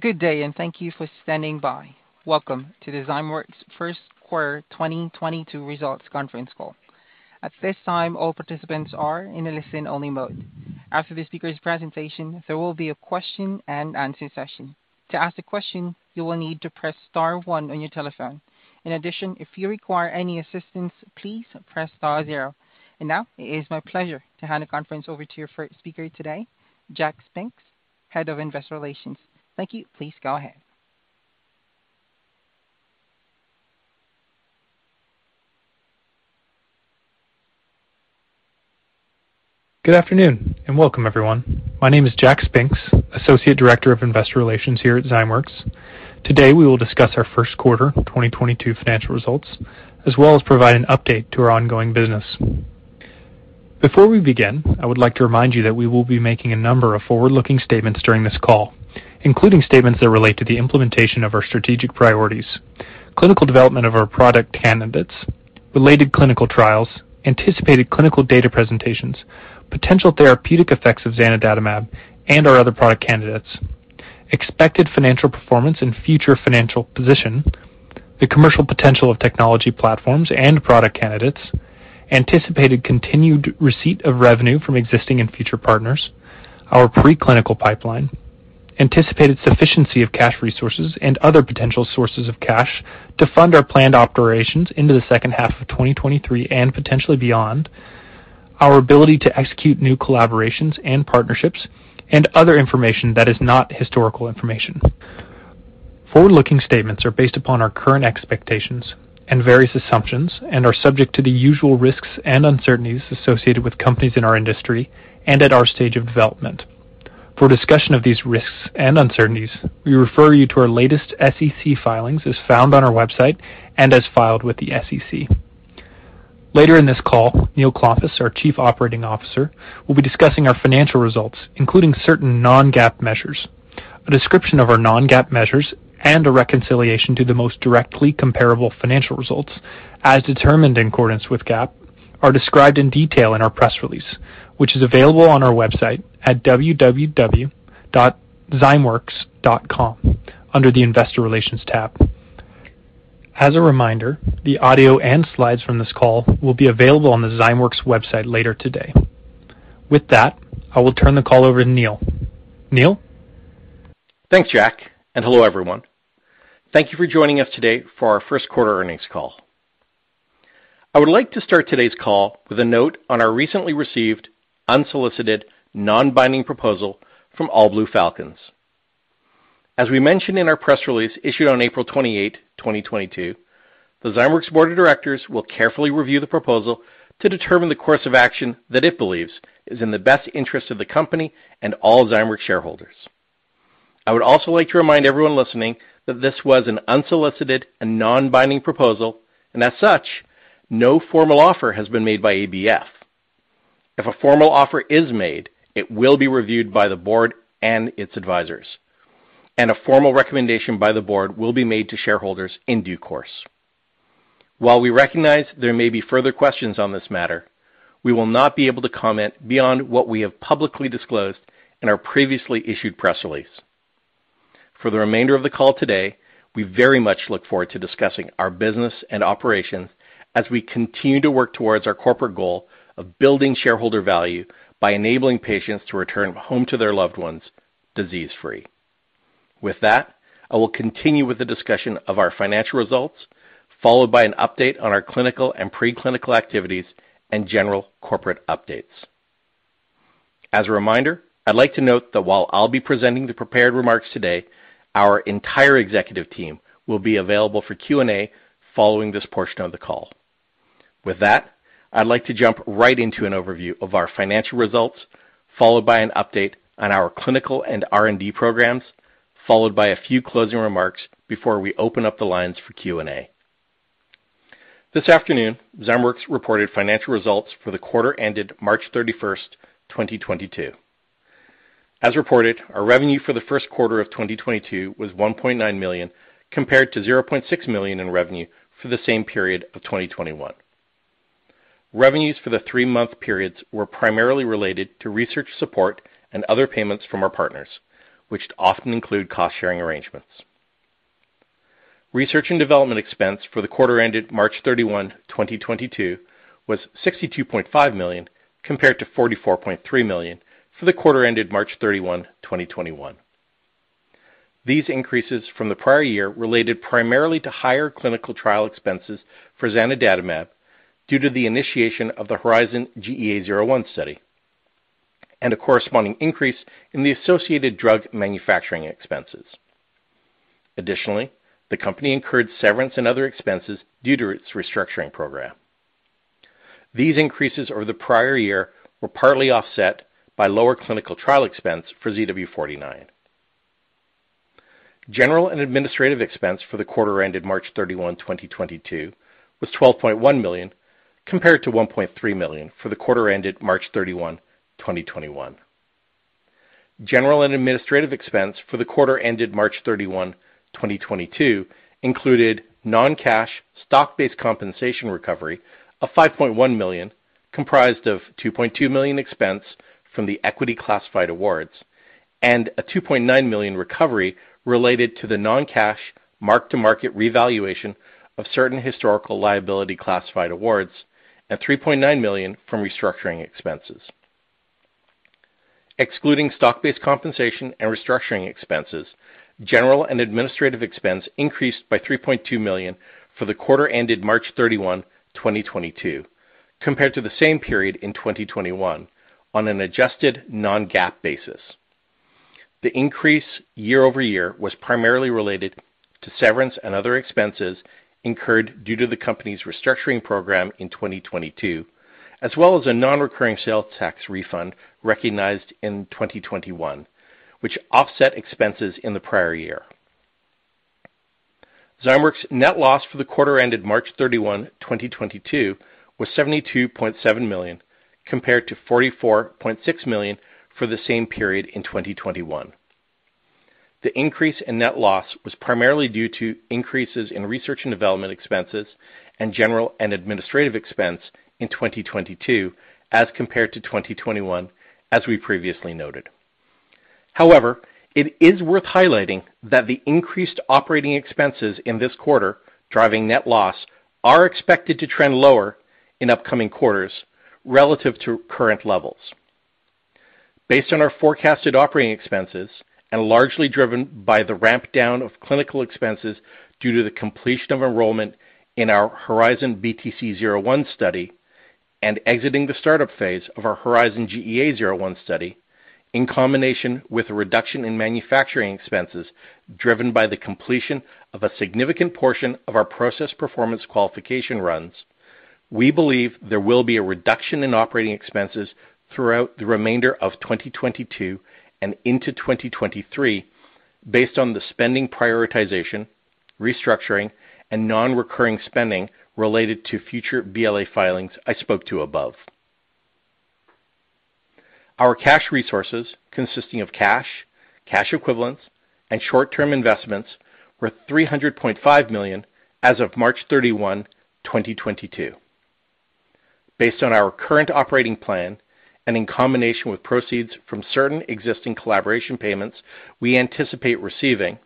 Good day, and thank you for standing by. Welcome to Zymeworks' first quarter 2022 results conference call. At this time, all participants are in a listen-only mode. After the speaker's presentation, there will be a question and answer session. To ask a question, you will need to press star one on your telephone. In addition, if you require any assistance, please press star zero. Now it is my pleasure to hand the conference over to your first speaker today, Jack Spinks, Head of Investor Relations. Thank you. Please go ahead. Good afternoon and welcome everyone. My name is Jack Spinks, Associate Director of Investor Relations here at Zymeworks. Today, we will discuss our first quarter 2022 financial results, as well as provide an update to our ongoing business. Before we begin, I would like to remind you that we will be making a number of forward-looking statements during this call, including statements that relate to the implementation of our strategic priorities, clinical development of our product candidates, related clinical trials, anticipated clinical data presentations, potential therapeutic effects of zanidatamab and our other product candidates, expected financial performance and future financial position, the commercial potential of technology platforms and product candidates, anticipated continued receipt of revenue from existing and future partners, our preclinical pipeline, anticipated sufficiency of cash resources and other potential sources of cash to fund our planned operations into the second half of 2023 and potentially beyond, our ability to execute new collaborations and partnerships, and other information that is not historical information. Forward-looking statements are based upon our current expectations and various assumptions and are subject to the usual risks and uncertainties associated with companies in our industry and at our stage of development. For a discussion of these risks and uncertainties, we refer you to our latest SEC filings as found on our website and as filed with the SEC. Later in this call, Neil Klompas, our Chief Operating Officer, will be discussing our financial results, including certain non-GAAP measures. A description of our non-GAAP measures and a reconciliation to the most directly comparable financial results as determined in accordance with GAAP are described in detail in our press release, which is available on our website at www.zymeworks.com under the Investor Relations tab. As a reminder, the audio and slides from this call will be available on the Zymeworks website later today. With that, I will turn the call over to Neil. Neil? Thanks, Jack, and hello everyone. Thank you for joining us today for our first quarter earnings call. I would like to start today's call with a note on our recently received unsolicited, non-binding proposal from All Blue Falcons. As we mentioned in our press release issued on April 28, 2022, the Zymeworks Board of Directors will carefully review the proposal to determine the course of action that it believes is in the best interest of the company and all Zymeworks shareholders. I would also like to remind everyone listening that this was an unsolicited and non-binding proposal, and as such, no formal offer has been made by ABF. If a formal offer is made, it will be reviewed by the board and its advisors, and a formal recommendation by the board will be made to shareholders in due course. While we recognize there may be further questions on this matter, we will not be able to comment beyond what we have publicly disclosed in our previously issued press release. For the remainder of the call today, we very much look forward to discussing our business and operations as we continue to work towards our corporate goal of building shareholder value by enabling patients to return home to their loved ones disease-free. With that, I will continue with the discussion of our financial results, followed by an update on our clinical and preclinical activities and general corporate updates. As a reminder, I'd like to note that while I'll be presenting the prepared remarks today, our entire executive team will be available for Q&A following this portion of the call. With that, I'd like to jump right into an overview of our financial results, followed by an update on our clinical and R&D programs, followed by a few closing remarks before we open up the lines for Q&A. This afternoon, Zymeworks reported financial results for the quarter ended March 31st, 2022. As reported, our revenue for the first quarter of 2022 was $1.9 million, compared to $0.6 million in revenue for the same period of 2021. Revenues for the three-month periods were primarily related to research support and other payments from our partners, which often include cost-sharing arrangements. Research and development expense for the quarter ended March 31, 2022 was $62.5 million, compared to $44.3 million for the quarter ended March 31, 2021. These increases from the prior year related primarily to higher clinical trial expenses for zanidatamab due to the initiation of the HERIZON-GEA-01 study and a corresponding increase in the associated drug manufacturing expenses. Additionally, the company incurred severance and other expenses due to its restructuring program. These increases over the prior year were partly offset by lower clinical trial expense for ZW49. General and administrative expense for the quarter ended March 31, 2022 was $12.1 million, compared to $1.3 million for the quarter ended March 31, 2021. General and administrative expense for the quarter ended March 31, 2022 included non-cash stock-based compensation recovery of $5.1 million, comprised of $2.2 million expense from the equity classified awards and a $2.9 million recovery related to the non-cash mark-to-market revaluation of certain historical liability classified awards and $3.9 million from restructuring expenses. Excluding stock-based compensation and restructuring expenses, general and administrative expense increased by $3.2 million for the quarter ended March 31, 2022 compared to the same period in 2021 on an adjusted non-GAAP basis. The increase year-over-year was primarily related to severance and other expenses incurred due to the company's restructuring program in 2022, as well as a non-recurring sales tax refund recognized in 2021, which offset expenses in the prior year. Zymeworks' net loss for the quarter ended March 31, 2022 was $72.7 million, compared to $44.6 million for the same period in 2021. The increase in net loss was primarily due to increases in research and development expenses and general and administrative expense in 2022 as compared to 2021, as we previously noted. However, it is worth highlighting that the increased operating expenses in this quarter driving net loss are expected to trend lower in upcoming quarters relative to current levels. Based on our forecasted operating expenses and largely driven by the ramp down of clinical expenses due to the completion of enrollment in our HERIZON-BTC-01 study and exiting the startup phase of our HERIZON-GEA-01 study in combination with a reduction in manufacturing expenses driven by the completion of a significant portion of our process performance qualification runs, we believe there will be a reduction in operating expenses throughout the remainder of 2022 and into 2023 based on the spending prioritization, restructuring, and non-recurring spending related to future BLA filings I spoke to above. Our cash resources consisting of cash equivalents, and short-term investments were $300.5 million as of March 31, 2022. Based on our current operating plan and in combination with proceeds from certain existing collaboration payments we anticipate receiving,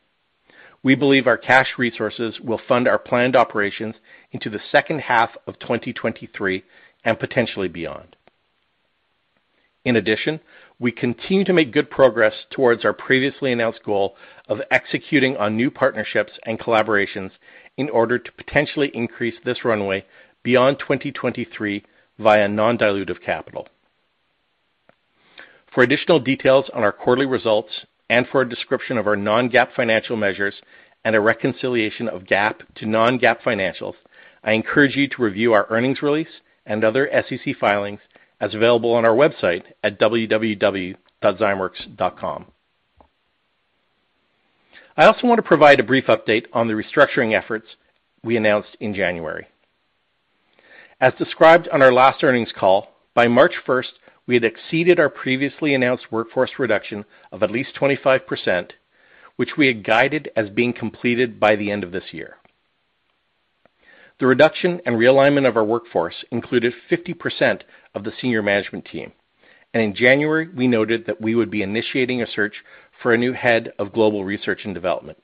we believe our cash resources will fund our planned operations into the second half of 2023 and potentially beyond. In addition, we continue to make good progress towards our previously announced goal of executing on new partnerships and collaborations in order to potentially increase this runway beyond 2023 via non-dilutive capital. For additional details on our quarterly results and for a description of our non-GAAP financial measures and a reconciliation of GAAP to non-GAAP financials, I encourage you to review our earnings release and other SEC filings as available on our website at www.zymeworks.com. I also want to provide a brief update on the restructuring efforts we announced in January. As described on our last earnings call, by March 1st, we had exceeded our previously announced workforce reduction of at least 25%, which we had guided as being completed by the end of this year. The reduction and realignment of our workforce included 50% of the senior management team, and in January, we noted that we would be initiating a search for a new head of global research and development.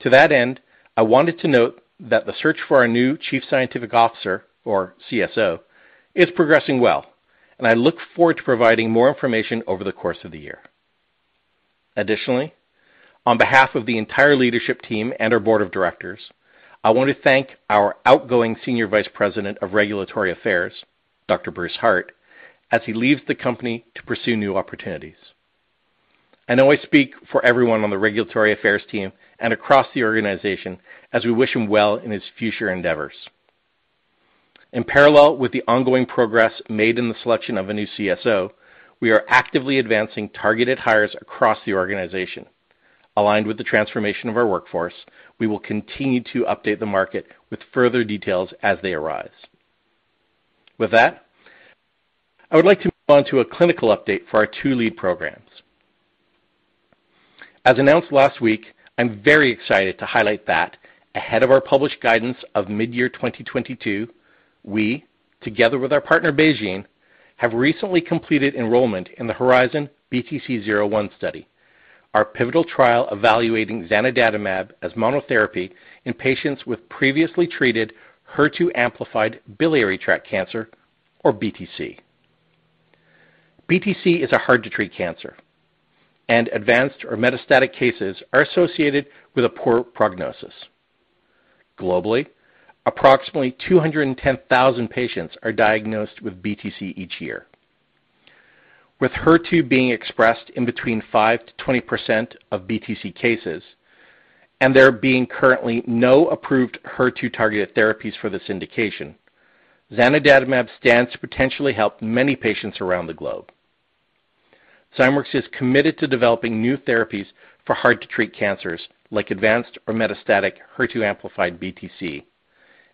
To that end, I wanted to note that the search for our new Chief Scientific Officer, or CSO, is progressing well, and I look forward to providing more information over the course of the year. Additionally, on behalf of the entire leadership team and our board of directors, I want to thank our outgoing Senior Vice President of Regulatory Affairs, Dr. Bruce Hart, as he leaves the company to pursue new opportunities. I know I speak for everyone on the regulatory affairs team and across the organization as we wish him well in his future endeavors. In parallel with the ongoing progress made in the selection of a new CSO, we are actively advancing targeted hires across the organization. Aligned with the transformation of our workforce, we will continue to update the market with further details as they arise. With that, I would like to move on to a clinical update for our two lead programs. As announced last week, I'm very excited to highlight that ahead of our published guidance of mid-year 2022, we, together with our partner BeiGene, have recently completed enrollment in the HERIZON-BTC-01 study, our pivotal trial evaluating zanidatamab as monotherapy in patients with previously treated HER2-amplified biliary tract cancer, or BTC. BTC is a hard-to-treat cancer, and advanced or metastatic cases are associated with a poor prognosis. Globally, approximately 210,000 patients are diagnosed with BTC each year. With HER2 being expressed in 5%-20% of BTC cases and there being currently no approved HER2-targeted therapies for this indication, zanidatamab stands to potentially help many patients around the globe. Zymeworks is committed to developing new therapies for hard-to-treat cancers like advanced or metastatic HER2-amplified BTC,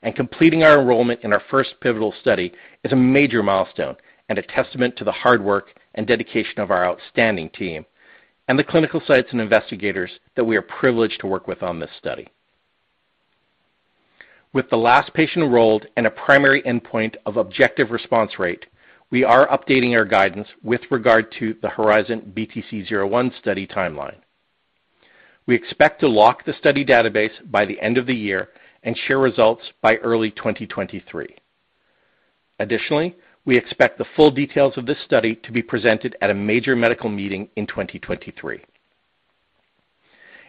and completing our enrollment in our first pivotal study is a major milestone and a testament to the hard work and dedication of our outstanding team and the clinical sites and investigators that we are privileged to work with on this study. With the last patient enrolled and a primary endpoint of objective response rate, we are updating our guidance with regard to the HERIZON-BTC-01 study timeline. We expect to lock the study database by the end of the year and share results by early 2023. Additionally, we expect the full details of this study to be presented at a major medical meeting in 2023.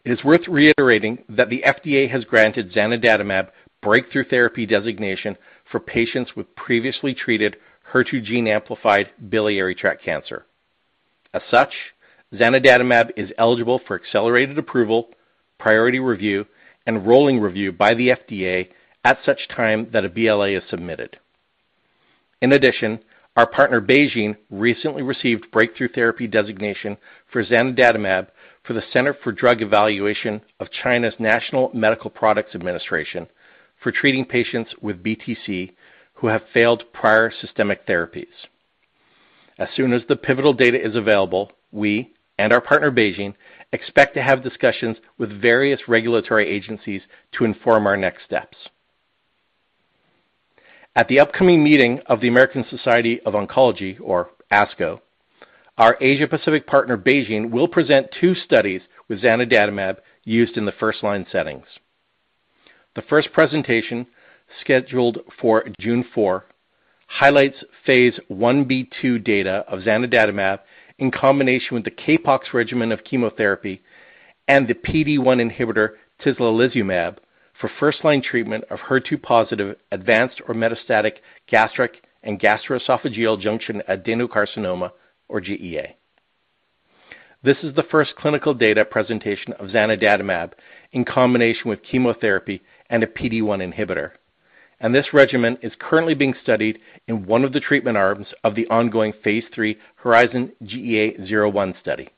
It is worth reiterating that the FDA has granted zanidatamab breakthrough therapy designation for patients with previously treated HER2 gene-amplified biliary tract cancer. As such, zanidatamab is eligible for accelerated approval, priority review, and rolling review by the FDA at such time that a BLA is submitted. In addition, our partner BeiGene recently received breakthrough therapy designation for zanidatamab for the Center for Drug Evaluation of China's National Medical Products Administration for treating patients with BTC who have failed prior systemic therapies. As soon as the pivotal data is available, we and our partner BeiGene expect to have discussions with various regulatory agencies to inform our next steps. At the upcoming meeting of the American Society of Clinical Oncology, or ASCO, our Asia-Pacific partner BeiGene will present two studies with zanidatamab used in the first-line settings. The first presentation, scheduled for June 4, highlights phase Ib/II data of zanidatamab in combination with the CAPOX regimen of chemotherapy and the PD-1 inhibitor tislelizumab for first-line treatment of HER2+ advanced or metastatic gastric and gastroesophageal junction adenocarcinoma, or GEA. This is the first clinical data presentation of zanidatamab in combination with chemotherapy and a PD-1 inhibitor, and this regimen is currently being studied in one of the treatment arms of the ongoing phase 3 HERIZON-GEA-01 study.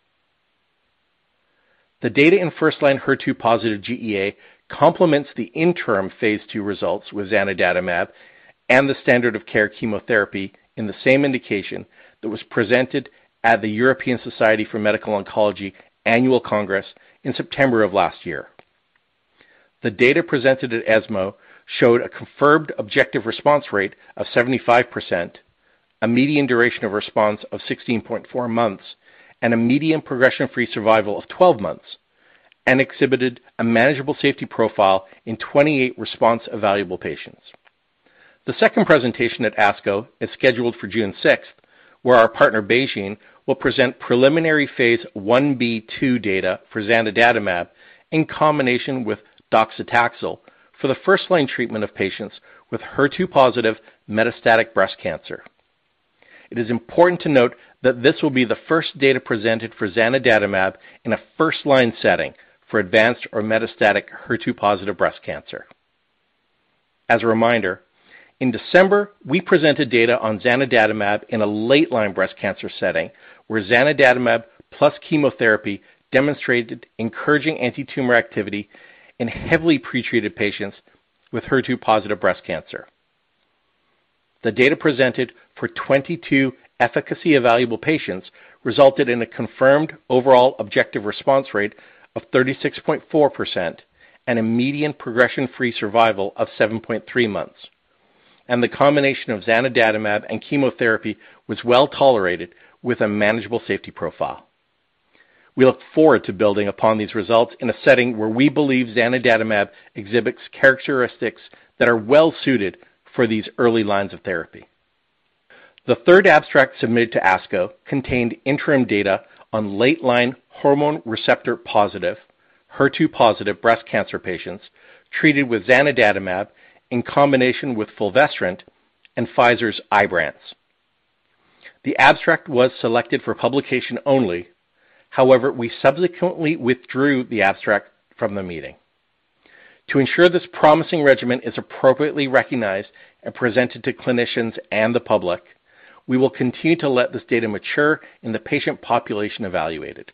The data in first-line HER2+ GEA complements the interim phase 2 results with zanidatamab and the standard of care chemotherapy in the same indication that was presented at the European Society for Medical Oncology Annual Congress in September of last year. The data presented at ESMO showed a confirmed objective response rate of 75%, a median duration of response of 16.4 months, and a median progression-free survival of 12 months, and exhibited a manageable safety profile in 28 response-evaluable patients. The second presentation at ASCO is scheduled for June 6th, where our partner BeiGene will present preliminary phase I-B/II data for zanidatamab in combination with docetaxel for the first-line treatment of patients with HER2+ metastatic breast cancer. It is important to note that this will be the first data presented for zanidatamab in a first-line setting for advanced or metastatic HER2+ breast cancer. As a reminder, in December, we presented data on zanidatamab in a late-line breast cancer setting where zanidatamab plus chemotherapy demonstrated encouraging antitumor activity in heavily pretreated patients with HER2+ breast cancer. The data presented for 22 efficacy-evaluable patients resulted in a confirmed overall objective response rate of 36.4% and a median progression-free survival of 7.3 months, and the combination of zanidatamab and chemotherapy was well tolerated with a manageable safety profile. We look forward to building upon these results in a setting where we believe zanidatamab exhibits characteristics that are well-suited for these early lines of therapy. The third abstract submitted to ASCO contained interim data on late line HR+, HER2+ breast cancer patients treated with zanidatamab in combination with fulvestrant and Pfizer's Ibrance. The abstract was selected for publication only. However, we subsequently withdrew the abstract from the meeting. To ensure this promising regimen is appropriately recognized and presented to clinicians and the public, we will continue to let this data mature in the patient population evaluated.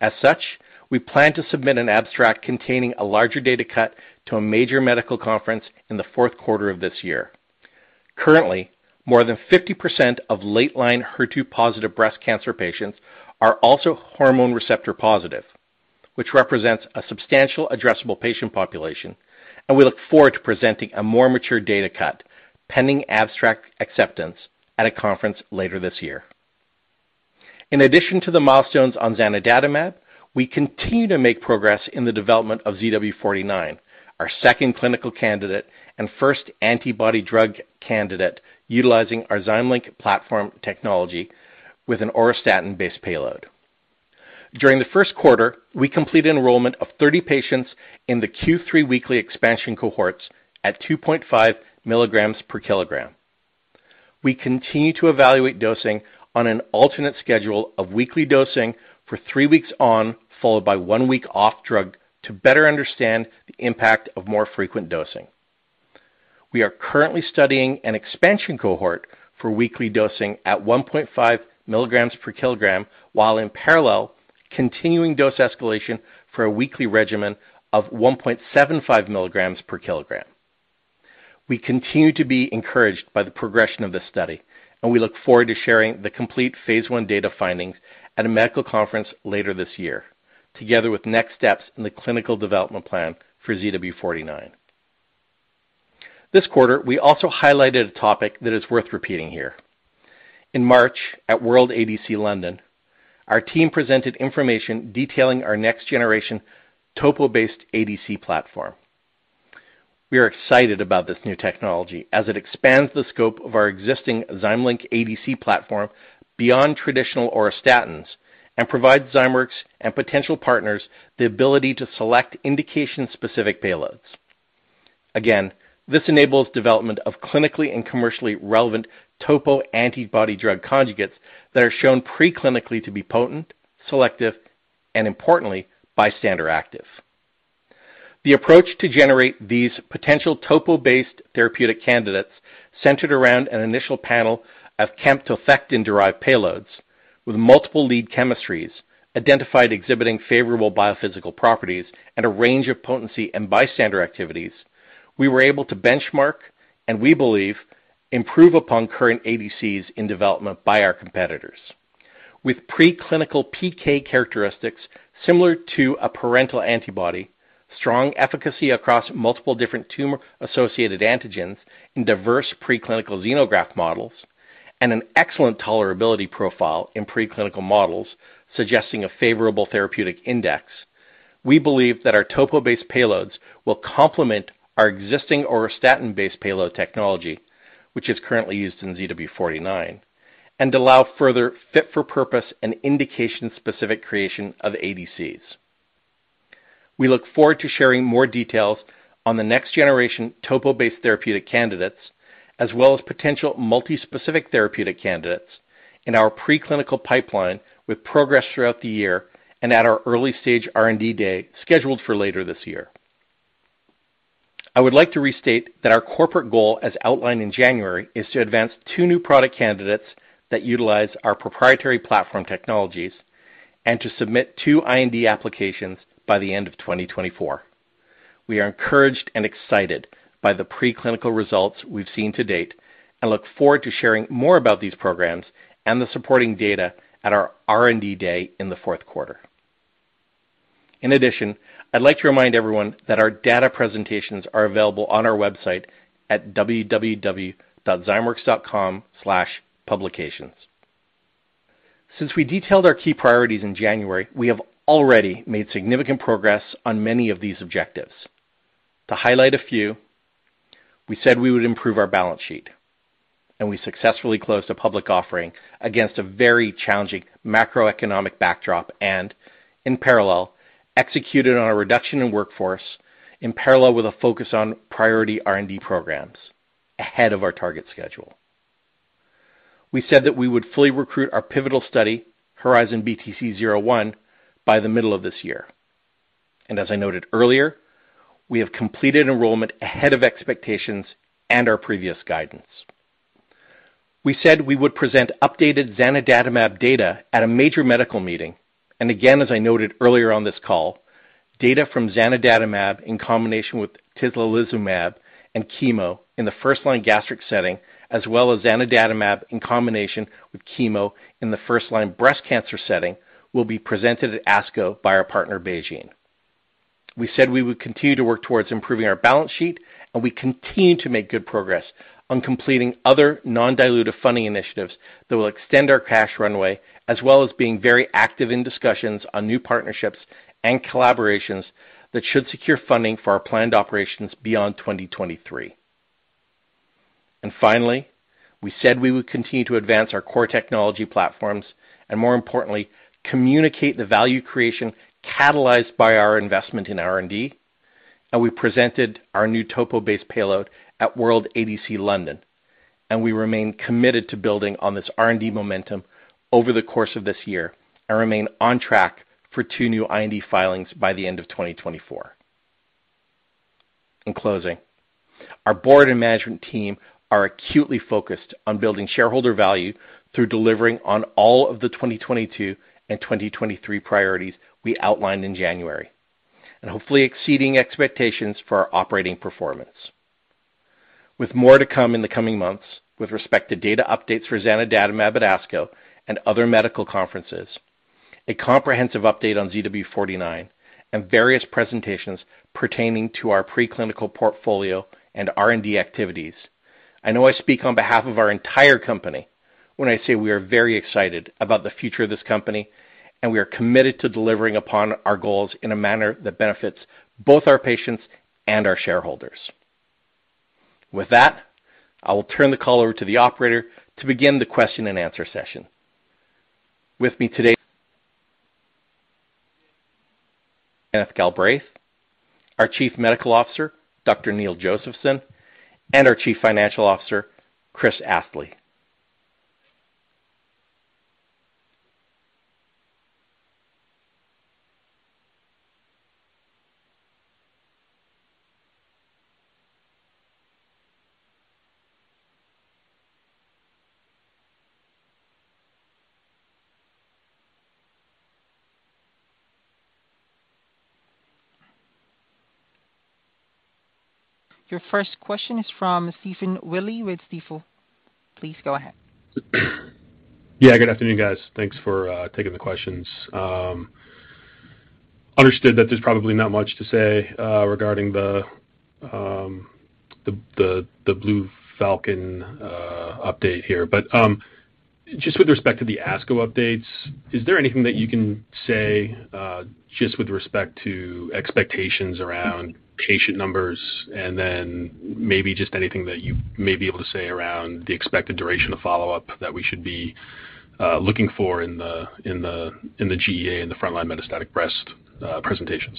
As such, we plan to submit an abstract containing a larger data cut to a major medical conference in the fourth quarter of this year. Currently, more than 50% of late-line HER2+ breast cancer patients are also HR+, which represents a substantial addressable patient population, and we look forward to presenting a more mature data cut, pending abstract acceptance, at a conference later this year. In addition to the milestones on zanidatamab, we continue to make progress in the development of ZW49, our second clinical candidate and first antibody drug candidate utilizing our ZymeLink platform technology with an auristatin-based payload. During the first quarter, we completed enrollment of 30 patients in the Q3 weekly expansion cohorts at 2.5 milligrams per kg. We continue to evaluate dosing on an alternate schedule of weekly dosing for three weeks on, followed by one week off drug to better understand the impact of more frequent dosing. We are currently studying an expansion cohort for weekly dosing at 1.5 milligrams per kilogram while in parallel continuing dose escalation for a weekly regimen of 1.75 milligrams per kilogram. We continue to be encouraged by the progression of this study, and we look forward to sharing the complete phase I data findings at a medical conference later this year, together with next steps in the clinical development plan for ZW49. This quarter, we also highlighted a topic that is worth repeating here. In March at World ADC London, our team presented information detailing our next generation topo-based ADC platform. We are excited about this new technology as it expands the scope of our existing ZymeLink ADC platform beyond traditional auristatins and provides Zymeworks and potential partners the ability to select indication-specific payloads. Again, this enables development of clinically and commercially relevant topo antibody-drug conjugates that are shown preclinically to be potent, selective, and importantly, bystander-active. The approach to generate these potential topo-based therapeutic candidates centered around an initial panel of camptothecin derivative payloads with multiple lead chemistries identified exhibiting favorable biophysical properties and a range of potency and bystander activities. We were able to benchmark and we believe improve upon current ADCs in development by our competitors. With preclinical PK characteristics similar to a parental antibody, strong efficacy across multiple different tumor-associated antigens in diverse preclinical xenograft models, and an excellent tolerability profile in preclinical models suggesting a favorable therapeutic index. We believe that our topo-based payloads will complement our existing auristatin-based payload technology, which is currently used in ZW49 and allow further fit for purpose and indication-specific creation of ADCs. We look forward to sharing more details on the next-generation topo-based therapeutic candidates, as well as potential multi-specific therapeutic candidates in our preclinical pipeline with progress throughout the year and at our early-stage R&D day scheduled for later this year. I would like to restate that our corporate goal, as outlined in January, is to advance two new product candidates that utilize our proprietary platform technologies and to submit two IND applications by the end of 2024. We are encouraged and excited by the preclinical results we've seen to date, and look forward to sharing more about these programs and the supporting data at our R&D Day in the fourth quarter. In addition, I'd like to remind everyone that our data presentations are available on our website at www.zymeworks.com/publications. Since we detailed our key priorities in January, we have already made significant progress on many of these objectives. To highlight a few, we said we would improve our balance sheet, and we successfully closed a public offering against a very challenging macroeconomic backdrop and in parallel, executed on a reduction in workforce in parallel with a focus on priority R&D programs ahead of our target schedule. We said that we would fully recruit our pivotal study, HERIZON-BTC-01, by the middle of this year. As I noted earlier, we have completed enrollment ahead of expectations and our previous guidance. We said we would present updated zanidatamab data at a major medical meeting. Again, as I noted earlier on this call, data from zanidatamab in combination with tislelizumab and chemo in the first line gastric setting, as well as zanidatamab in combination with chemo in the first line breast cancer setting, will be presented at ASCO by our partner BeiGene. We said we would continue to work towards improving our balance sheet, and we continue to make good progress on completing other non-dilutive funding initiatives that will extend our cash runway, as well as being very active in discussions on new partnerships and collaborations that should secure funding for our planned operations beyond 2023. Finally, we said we would continue to advance our core technology platforms and more importantly, communicate the value creation catalyzed by our investment in R&D. We presented our new topo-based payload at World ADC London, and we remain committed to building on this R&D momentum over the course of this year and remain on track for two new IND filings by the end of 2024. In closing, our board and management team are acutely focused on building shareholder value through delivering on all of the 2022 and 2023 priorities we outlined in January, and hopefully exceeding expectations for our operating performance. With more to come in the coming months with respect to data updates for zanidatamab at ASCO and other medical conferences, a comprehensive update on ZW49, and various presentations pertaining to our preclinical portfolio and R&D activities. I know I speak on behalf of our entire company when I say we are very excited about the future of this company, and we are committed to delivering upon our goals in a manner that benefits both our patients and our shareholders. With that, I will turn the call over to the operator to begin the question and answer session. With me today Kenneth Galbraith, our Chief Medical Officer, Dr. Neil Josephson, and our Chief Financial Officer, Chris Astle. Your first question is from Stephen Wiley with Stifel. Please go ahead. Yeah, good afternoon, guys. Thanks for taking the questions. Understood that there's probably not much to say regarding the All Blue Falcons update here, but just with respect to the ASCO updates, is there anything that you can say just with respect to expectations around patient numbers and then maybe just anything that you may be able to say around the expected duration of follow-up that we should be looking for in the GEA in the frontline metastatic breast presentations?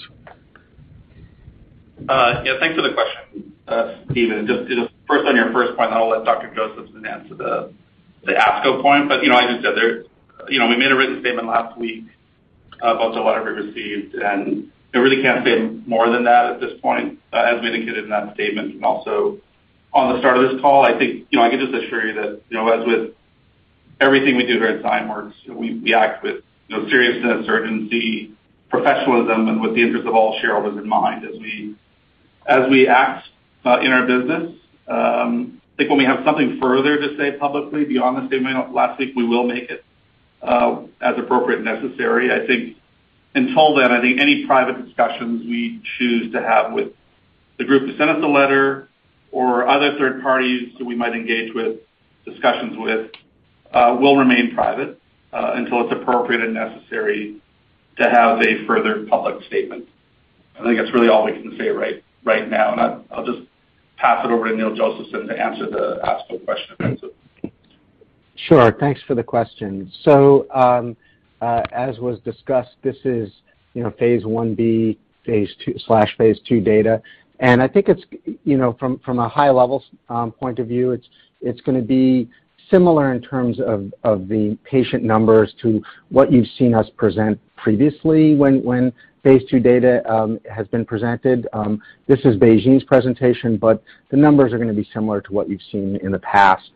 Yeah, thanks for the question, Stephen. Just, you know, first on your first point, I'll let Dr. Josephson answer the ASCO point. You know, I just said there's. You know, we made a written statement last week about the letter we received, and I really can't say more than that at this point, as we indicated in that statement and also on the start of this call. I think, you know, I can just assure you that, you know, as with everything we do here at Zymeworks, we act with, you know, seriousness, urgency, professionalism, and with the interest of all shareholders in mind as we act in our business. I think when we have something further to say publicly beyond the statement of last week, we will make it as appropriate and necessary. I think until then, I think any private discussions we choose to have with the group that sent us a letter or other third parties that we might engage with will remain private until it's appropriate and necessary to have a further public statement. I think that's really all we can say right now. I'll just pass it over to Neil Josephson to answer the ASCO question if he wants to. Sure. Thanks for the question. As was discussed, this is, you know, phase I-B phase II/phase II data. I think it's, you know, from a high-level standpoint, it's gonna be similar in terms of the patient numbers to what you've seen us present previously when phase II data has been presented. This is BeiGene's presentation, but the numbers are gonna be similar to what you've seen in the past.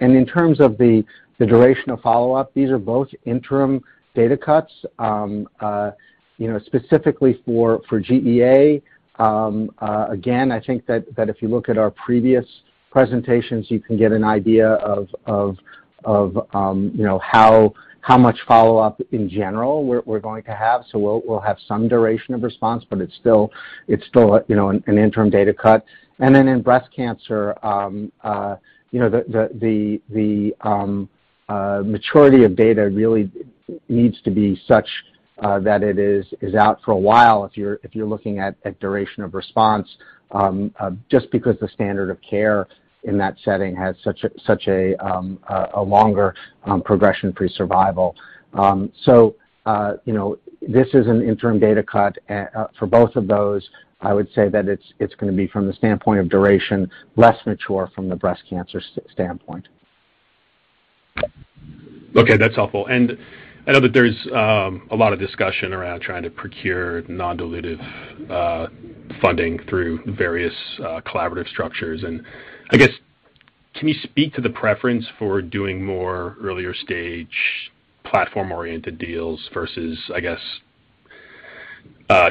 In terms of the duration of follow-up, these are both interim data cuts. Specifically for GEA, again, I think that if you look at our previous presentations, you can get an idea of how much follow-up in general we're going to have. We'll have some duration of response, but it's still you know an interim data cut. In breast cancer, you know the maturity of data really needs to be such that it is out for a while if you're looking at duration of response just because the standard of care in that setting has such a longer progression-free survival. This is an interim data cut for both of those. I would say that it's gonna be from the standpoint of duration less mature from the breast cancer standpoint. Okay, that's helpful. I know that there's a lot of discussion around trying to procure non-dilutive funding through various collaborative structures. I guess, can you speak to the preference for doing more earlier stage platform-oriented deals versus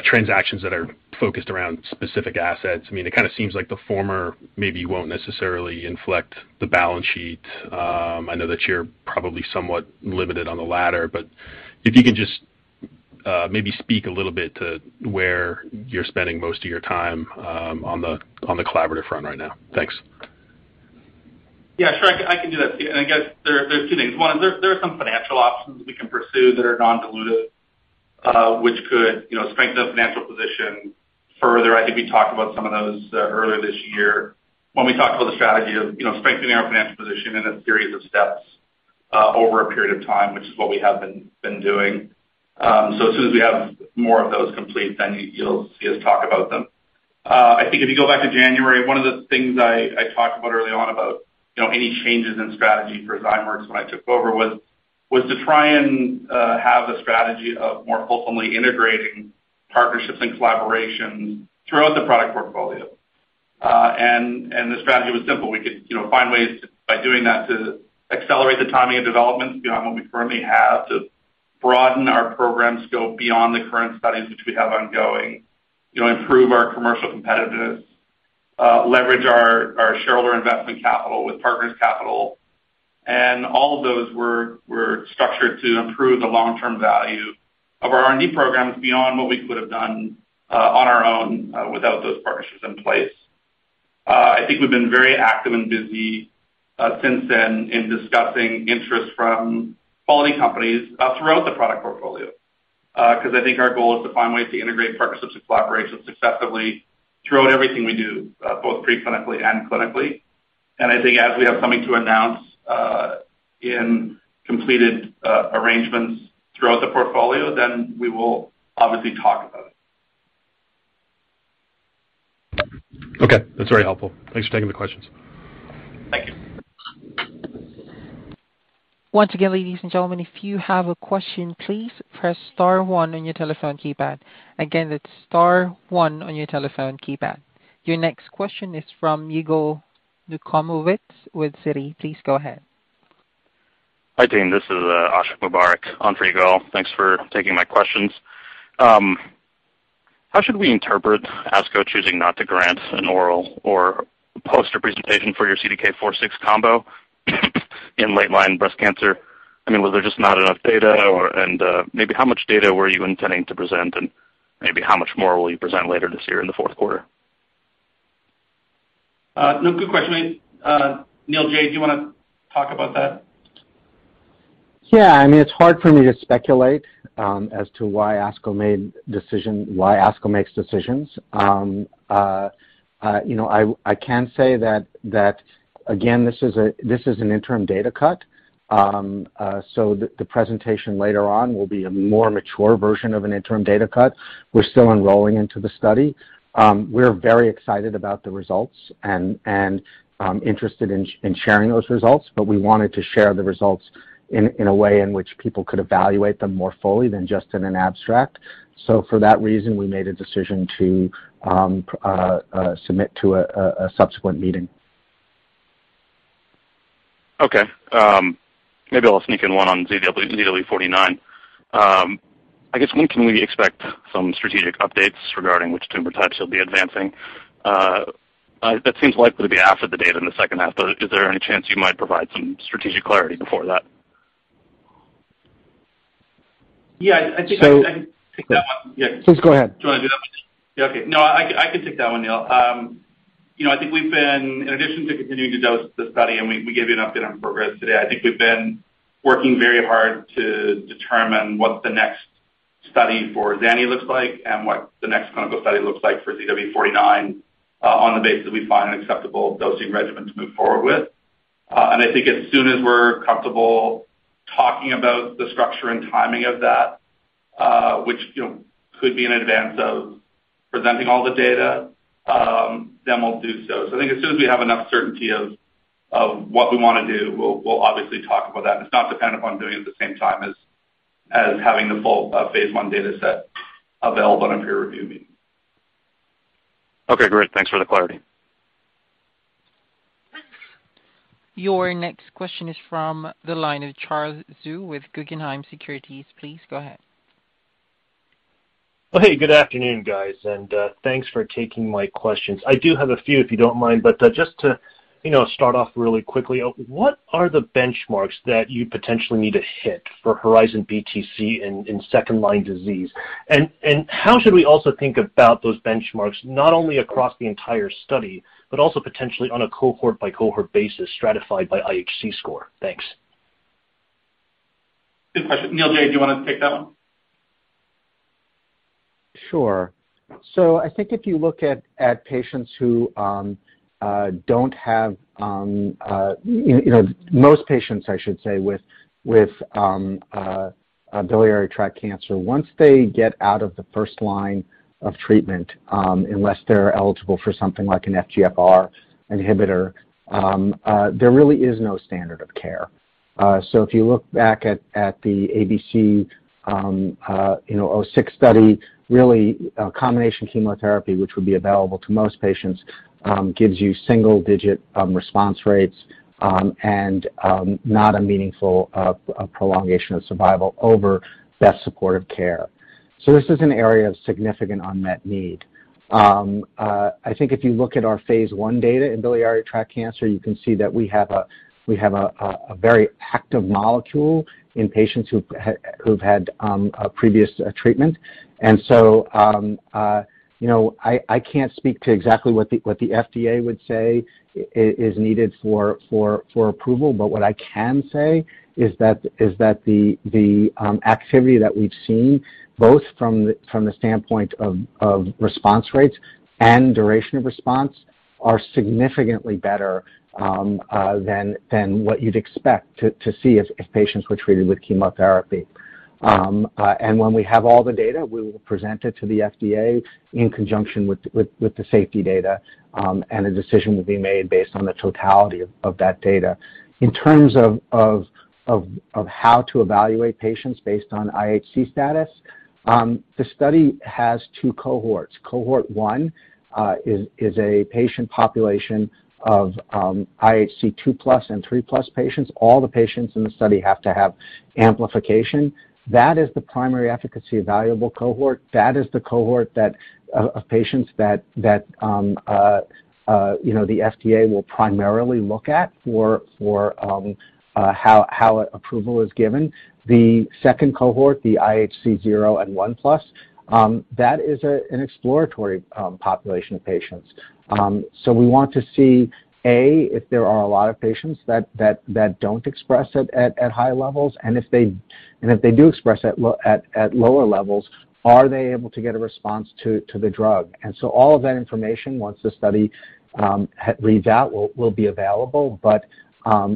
transactions that are focused around specific assets? I mean, it kinda seems like the former maybe won't necessarily inflect the balance sheet. I know that you're probably somewhat limited on the latter, but if you can just maybe speak a little bit to where you're spending most of your time on the collaborative front right now. Thanks. Yeah, sure. I can do that, Stephen. I guess there are two things. One is there are some financial options we can pursue that are non-dilutive, which could, you know, strengthen the financial position further. I think we talked about some of those earlier this year when we talked about the strategy of, you know, strengthening our financial position in a series of steps over a period of time, which is what we have been doing. So as soon as we have more of those complete, then you'll see us talk about them. I think if you go back to January, one of the things I talked about early on, you know, any changes in strategy for Zymeworks when I took over was to try and have a strategy of more fulsomely integrating partnerships and collaborations throughout the product portfolio. The strategy was simple. We could, you know, find ways by doing that to accelerate the timing of development beyond what we currently have, to broaden our program scope beyond the current studies which we have ongoing, you know, improve our commercial competitiveness, leverage our shareholder investment capital with partners' capital. All of those were structured to improve the long-term value of our R&D programs beyond what we could have done on our own without those partnerships in place. I think we've been very active and busy since then in discussing interest from quality companies throughout the product portfolio. 'Cause I think our goal is to find ways to integrate partnerships and collaborations successfully throughout everything we do both pre-clinically and clinically. I think as we have something to announce in completed arrangements throughout the portfolio, then we will obviously talk about it. Okay. That's very helpful. Thanks for taking the questions. Thank you. Once again, ladies and gentlemen, if you have a question, please press star one on your telephone keypad. Again, that's star one on your telephone keypad. Your next question is from Yigal Nochomovitz with Citi. Please go ahead. Hi Team, this is Yigal Nochomovitz, Citigroup. Thanks for taking my questions. How should we interpret ASCO choosing not to grant an oral or poster presentation for your CDK4/6 combo in late line breast cancer? I mean, was there just not enough data or and, maybe how much data were you intending to present, and maybe how much more will you present later this year in the fourth quarter? Good question. Neil J., do you wanna talk about that? Yeah. I mean, it's hard for me to speculate as to why ASCO makes decisions. You know, I can say that again, this is an interim data cut. The presentation later on will be a more mature version of an interim data cut. We're still enrolling into the study. We're very excited about the results and interested in sharing those results, but we wanted to share the results in a way in which people could evaluate them more fully than just in an abstract. For that reason, we made a decision to submit to a subsequent meeting. Okay. Maybe I'll sneak in one on ZW49. I guess when can we expect some strategic updates regarding which tumor types you'll be advancing? That seems likely to be after the data in the second half, but is there any chance you might provide some strategic clarity before that? Yeah. I think I can. So- Take that one. Yeah. Please go ahead. Do you wanna do that one, Neil? Yeah, okay. No, I can take that one, Neil. You know, I think we've been in addition to continuing to dose the study, and we gave you an update on progress today. I think we've been working very hard to determine what the next study for ZANI looks like and what the next clinical study looks like for ZW49, on the basis that we find an acceptable dosing regimen to move forward with. I think as soon as we're comfortable talking about the structure and timing of that, which, you know, could be in advance of presenting all the data, then we'll do so. I think as soon as we have enough certainty of what we wanna do, we'll obviously talk about that. It's not dependent on doing it at the same time as having the full phase one data set available in a peer review meeting. Okay, great. Thanks for the clarity. Your next question is from the line of Charles Zhu with Guggenheim Securities. Please go ahead. Well, hey, good afternoon, guys, and thanks for taking my questions. I do have a few, if you don't mind, but just to, you know, start off really quickly. What are the benchmarks that you potentially need to hit for HERIZON-BTC-01 in second-line disease? And how should we also think about those benchmarks, not only across the entire study, but also potentially on a cohort-by-cohort basis stratified by IHC score? Thanks. Good question. Neil J., do you wanna take that one? Sure. I think if you look at patients, you know, most patients, I should say, with biliary tract cancer, once they get out of the first line of treatment, unless they're eligible for something like an FGFR inhibitor, there really is no standard of care. If you look back at the ABC-06 study, really, combination chemotherapy, which would be available to most patients, gives you single digit response rates, and not a meaningful prolongation of survival over best supportive care. This is an area of significant unmet need. I think if you look at our phase I data in biliary tract cancer, you can see that we have a very active molecule in patients who've had a previous treatment. You know, I can't speak to exactly what the FDA would say is needed for approval, but what I can say is that the activity that we've seen, both from the standpoint of response rates and duration of response, are significantly better than what you'd expect to see if patients were treated with chemotherapy. When we have all the data, we will present it to the FDA in conjunction with the safety data, and a decision will be made based on the totality of that data. In terms of how to evaluate patients based on IHC status, the study has two cohorts. Cohort one is a patient population of IHC 2+ and 3+ patients. All the patients in the study have to have amplification. That is the primary efficacy-evaluable cohort. That is the cohort of patients that you know the FDA will primarily look at for how approval is given. The second cohort, the IHC 0 and 1+, that is an exploratory population of patients. So we want to see, A, if there are a lot of patients that don't express it at high levels, and if they do express it at lower levels, are they able to get a response to the drug? All of that information, once the study reads out, will be available.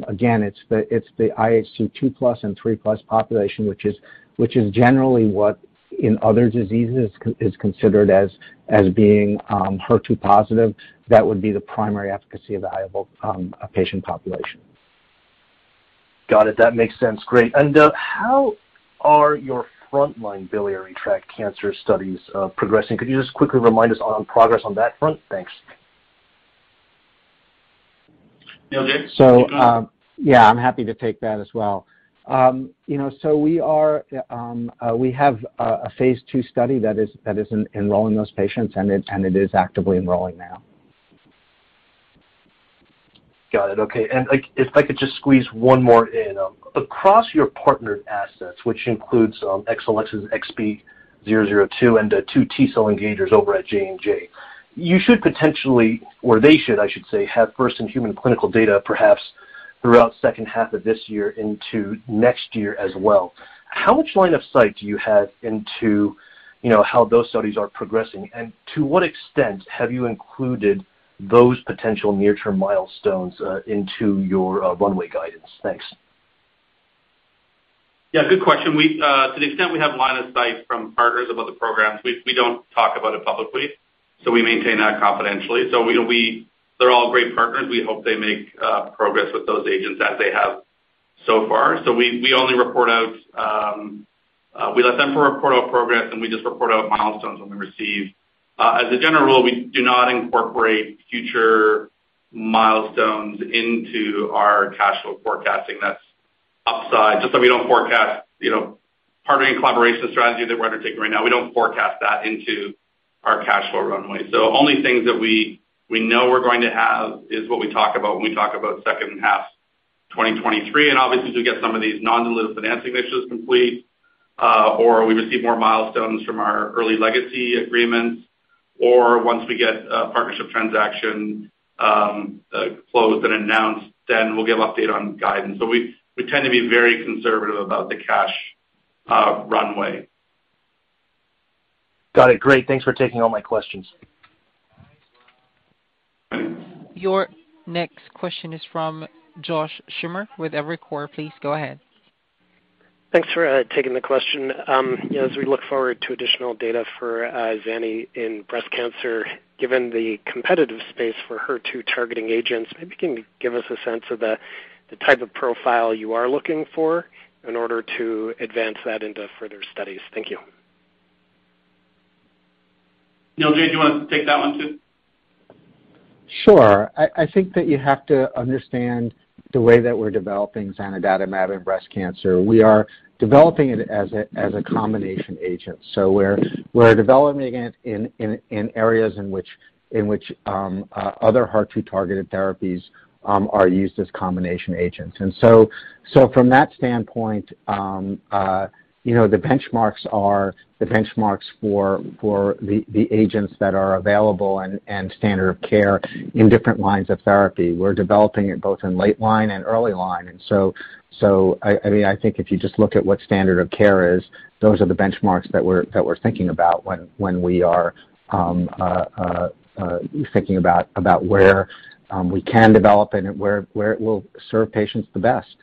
Again, it's the IHC 2+ and 3+ population, which is generally what in other diseases is considered as being HER2+ That would be the primary efficacy evaluable patient population. Got it. That makes sense. Great. How are your frontline biliary tract cancer studies progressing? Could you just quickly remind us on progress on that front? Thanks. Neil Josephson? Yeah, I'm happy to take that as well. You know, we have a phase II study that is enrolling those patients, and it is actively enrolling now. Got it. Okay. Like, if I could just squeeze one more in. Across your partnered assets, which includes Exelixis's XB002 and the two T-cell engagers over at J&J. You should potentially, or they should, I should say, have first in human clinical data, perhaps throughout second half of this year into next year as well. How much line of sight do you have into, you know, how those studies are progressing? To what extent have you included those potential near-term milestones into your runway guidance? Thanks. Yeah, good question. We, to the extent we have line of sight from partners of other programs, we don't talk about it publicly, so we maintain that confidentially. You know, they're all great partners. We hope they make progress with those agents as they have so far. We only report out. We let them report out progress, and we just report out milestones when we receive. As a general rule, we do not incorporate future milestones into our cash flow forecasting. That's upside, just like we don't forecast, you know, partnering and collaboration strategy that we're undertaking right now. We don't forecast that into our cash flow runway. Only things that we know we're going to have is what we talk about when we talk about second half 2023. Obviously, as we get some of these non-dilutive financing issues complete, or we receive more milestones from our early legacy agreements, or once we get a partnership transaction closed and announced, then we'll give update on guidance. We tend to be very conservative about the cash runway. Got it. Great. Thanks for taking all my questions. Your next question is from Josh Schimmer with Evercore. Please go ahead. Thanks for taking the question. You know, as we look forward to additional data for zani in breast cancer, given the competitive space for HER2 targeting agents, maybe can you give us a sense of the type of profile you are looking for in order to advance that into further studies? Thank you. Neil Josephson, do you want to take that one too? Sure. I think that you have to understand the way that we're developing zanidatamab in breast cancer. We are developing it as a combination agent. We're developing it in areas in which other HER2-targeted therapies are used as combination agents. From that standpoint, you know, the benchmarks are the benchmarks for the agents that are available and standard of care in different lines of therapy. We're developing it both in late line and early line. I mean, I think if you just look at what standard of care is, those are the benchmarks that we're thinking about when we are thinking about where we can develop and where it will serve patients the best.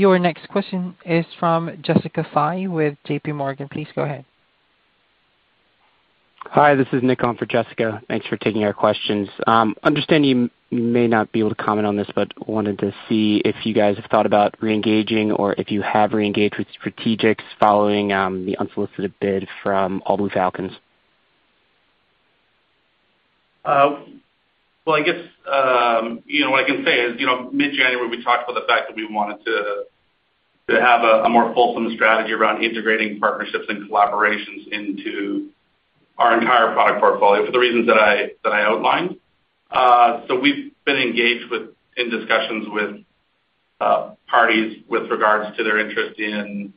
Your next question is from Jessica Fye with JPMorgan. Please go ahead. Hi, this is Nick on for Jessica. Thanks for taking our questions. Understanding you may not be able to comment on this, but wanted to see if you guys have thought about reengaging or if you have reengaged with strategics following the unsolicited bid from All Blue Falcons FZE. Well, I guess, you know, what I can say is, you know, mid-January, we talked about the fact that we wanted to have a more fulsome strategy around integrating partnerships and collaborations into our entire product portfolio for the reasons that I outlined. We've been engaged in discussions with parties with regards to their interest in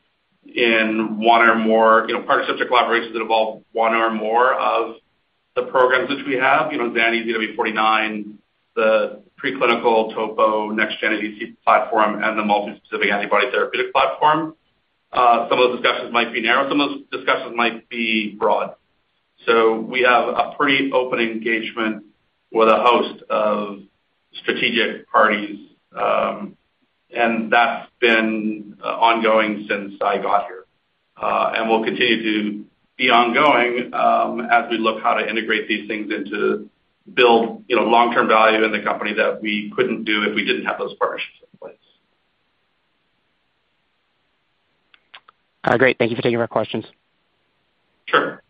one or more, you know, partnerships or collaborations that involve one or more of the programs which we have. You know, zanidatamab, ZW49, the preclinical topo next-gen ADC platform, and the multispecific antibody therapeutic platform. Some of the discussions might be narrow, some of those discussions might be broad. We have a pretty open engagement with a host of strategic parties, and that's been ongoing since I got here. Will continue to be ongoing, as we look how to integrate these things and to build, you know, long-term value in the company that we couldn't do if we didn't have those partnerships in place. Great. Thank you for taking our questions. Sure.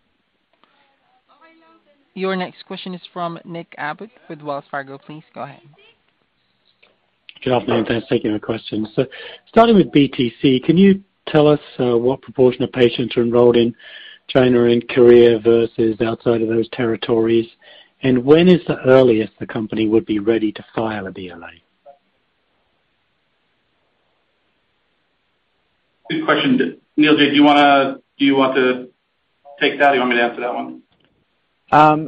Your next question is from Nick Abbott with Wells Fargo. Please go ahead. Good afternoon. Thanks. Taking your question. Starting with BTC, can you tell us what proportion of patients are enrolled in China and Korea versus outside of those territories? And when is the earliest the company would be ready to file a BLA? Good question. Neil J, do you want to take that or you want me to answer that one?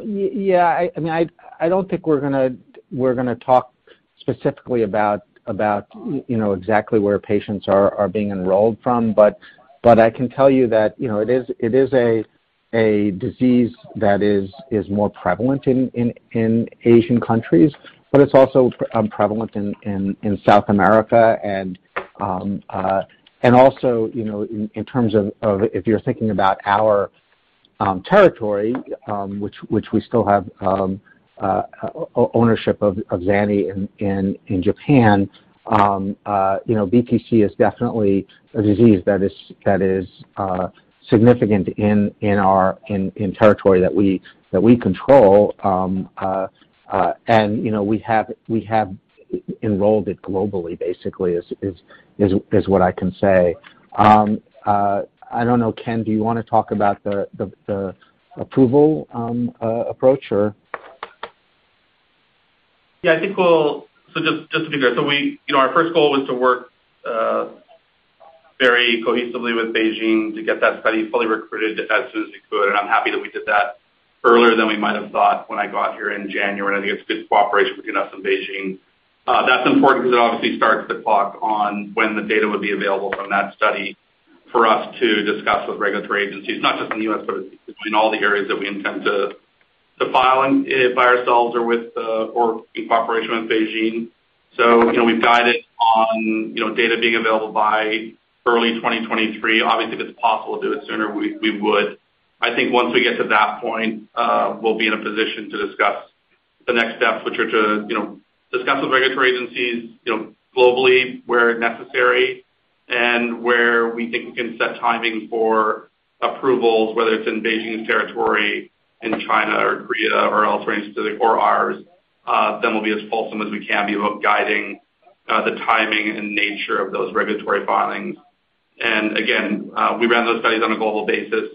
Yeah. I mean, I don't think we're gonna talk specifically about, you know, exactly where patients are being enrolled from. I can tell you that, you know, it is a disease that is more prevalent in Asian countries, but it's also prevalent in South America. Also, you know, in terms of if you're thinking about our territory, which we still have ownership of zanidatamab in Japan. You know, BTC is definitely a disease that is significant in our territory that we control. You know, we have enrolled it globally, basically is what I can say. I don't know, Ken, do you wanna talk about the approval approach or? Yeah. I think we'll. Just to be clear. Our first goal was to work very cohesively with BeiGene to get that study fully recruited as soon as we could. I'm happy that we did that earlier than we might have thought when I got here in January, and I think it's good cooperation between us and BeiGene. That's important because it obviously starts the clock on when the data would be available from that study for us to discuss with regulatory agencies, not just in the U.S., but in all the areas that we intend to file in by ourselves or in cooperation with BeiGene. You know, we've guided on, you know, data being available by early 2023. Obviously, if it's possible to do it sooner, we would. I think once we get to that point, we'll be in a position to discuss the next steps, which are to, you know, discuss with regulatory agencies, you know, globally where necessary and where we think we can set timing for approvals, whether it's in Beijing's territory, in China or Korea or elsewhere, specifically or ours, then we'll be as fulsome as we can be about guiding the timing and nature of those regulatory filings. Again, we ran those studies on a global basis,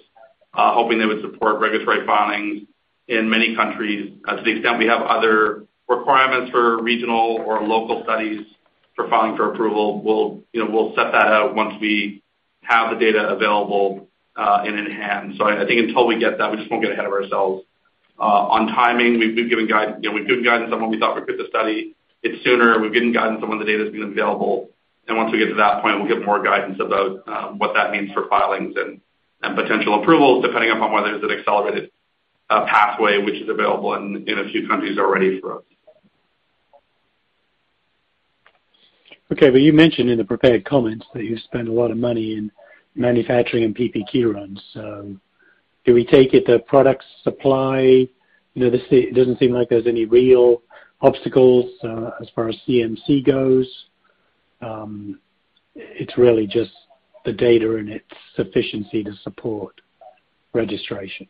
hoping they would support regulatory filings in many countries. To the extent we have other requirements for regional or local studies for filing for approval, we'll, you know, we'll set that out once we have the data available, and in hand. I think until we get that, we just won't get ahead of ourselves. On timing, we've given guidance on when we thought we recruit the study. It's sooner. We've given guidance on when the data's been available. Once we get to that point, we'll give more guidance about what that means for filings and potential approvals, depending upon whether there's an accelerated pathway which is available in a few countries already for us. Okay. You mentioned in the prepared comments that you spend a lot of money in manufacturing and PPQ runs. Do we take it that product supply, you know, it doesn't seem like there's any real obstacles, as far as CMC goes. It's really just the data and its sufficiency to support registration.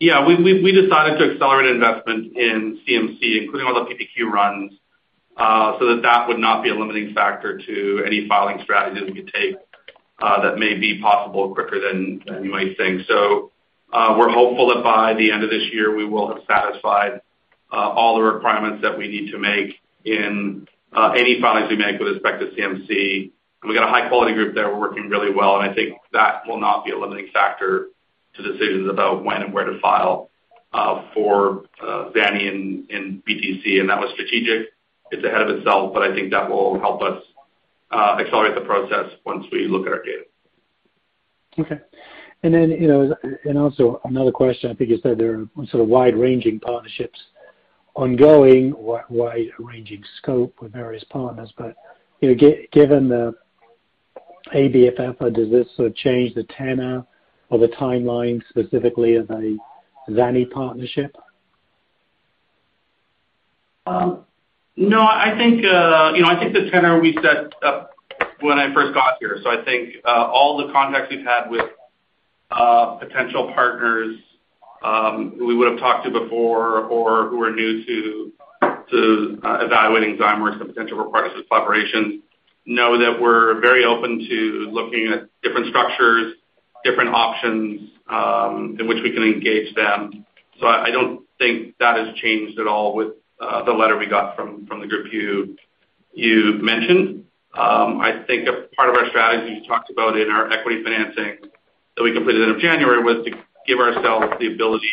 Yeah. We decided to accelerate investment in CMC, including all the PPQ runs, so that that would not be a limiting factor to any filing strategy that we could take, that may be possible quicker than you might think. We're hopeful that by the end of this year, we will have satisfied all the requirements that we need to make in any filings we make with respect to CMC. We've got a high-quality group there. We're working really well, and I think that will not be a limiting factor to decisions about when and where to file for zanidatamab and BTC, and that was strategic. It's ahead of itself, but I think that will help us accelerate the process once we look at our data. Okay. You know, also another question, I think you said there are sort of wide-ranging partnerships ongoing, wide-ranging scope with various partners. You know, given the ABF partner, does this sort of change the tenor or the timeline specifically of a zanidatamab partnership? No. I think, you know, I think the tenor we set up when I first got here. I think all the contacts we've had with potential partners we would've talked to before or who are new to evaluating Zymeworks and potential requirements for collaboration know that we're very open to looking at different structures, different options in which we can engage them. I don't think that has changed at all with the letter we got from the group you mentioned. I think a part of our strategy we talked about in our equity financing that we completed end of January was to give ourselves the ability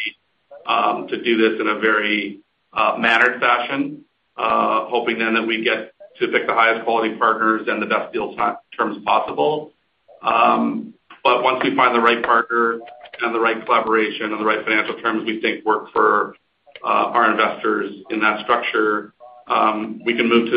to do this in a very mannered fashion, hoping then that we get to pick the highest quality partners and the best deals on terms possible. Once we find the right partner and the right collaboration and the right financial terms we think work for our investors in that structure, we can move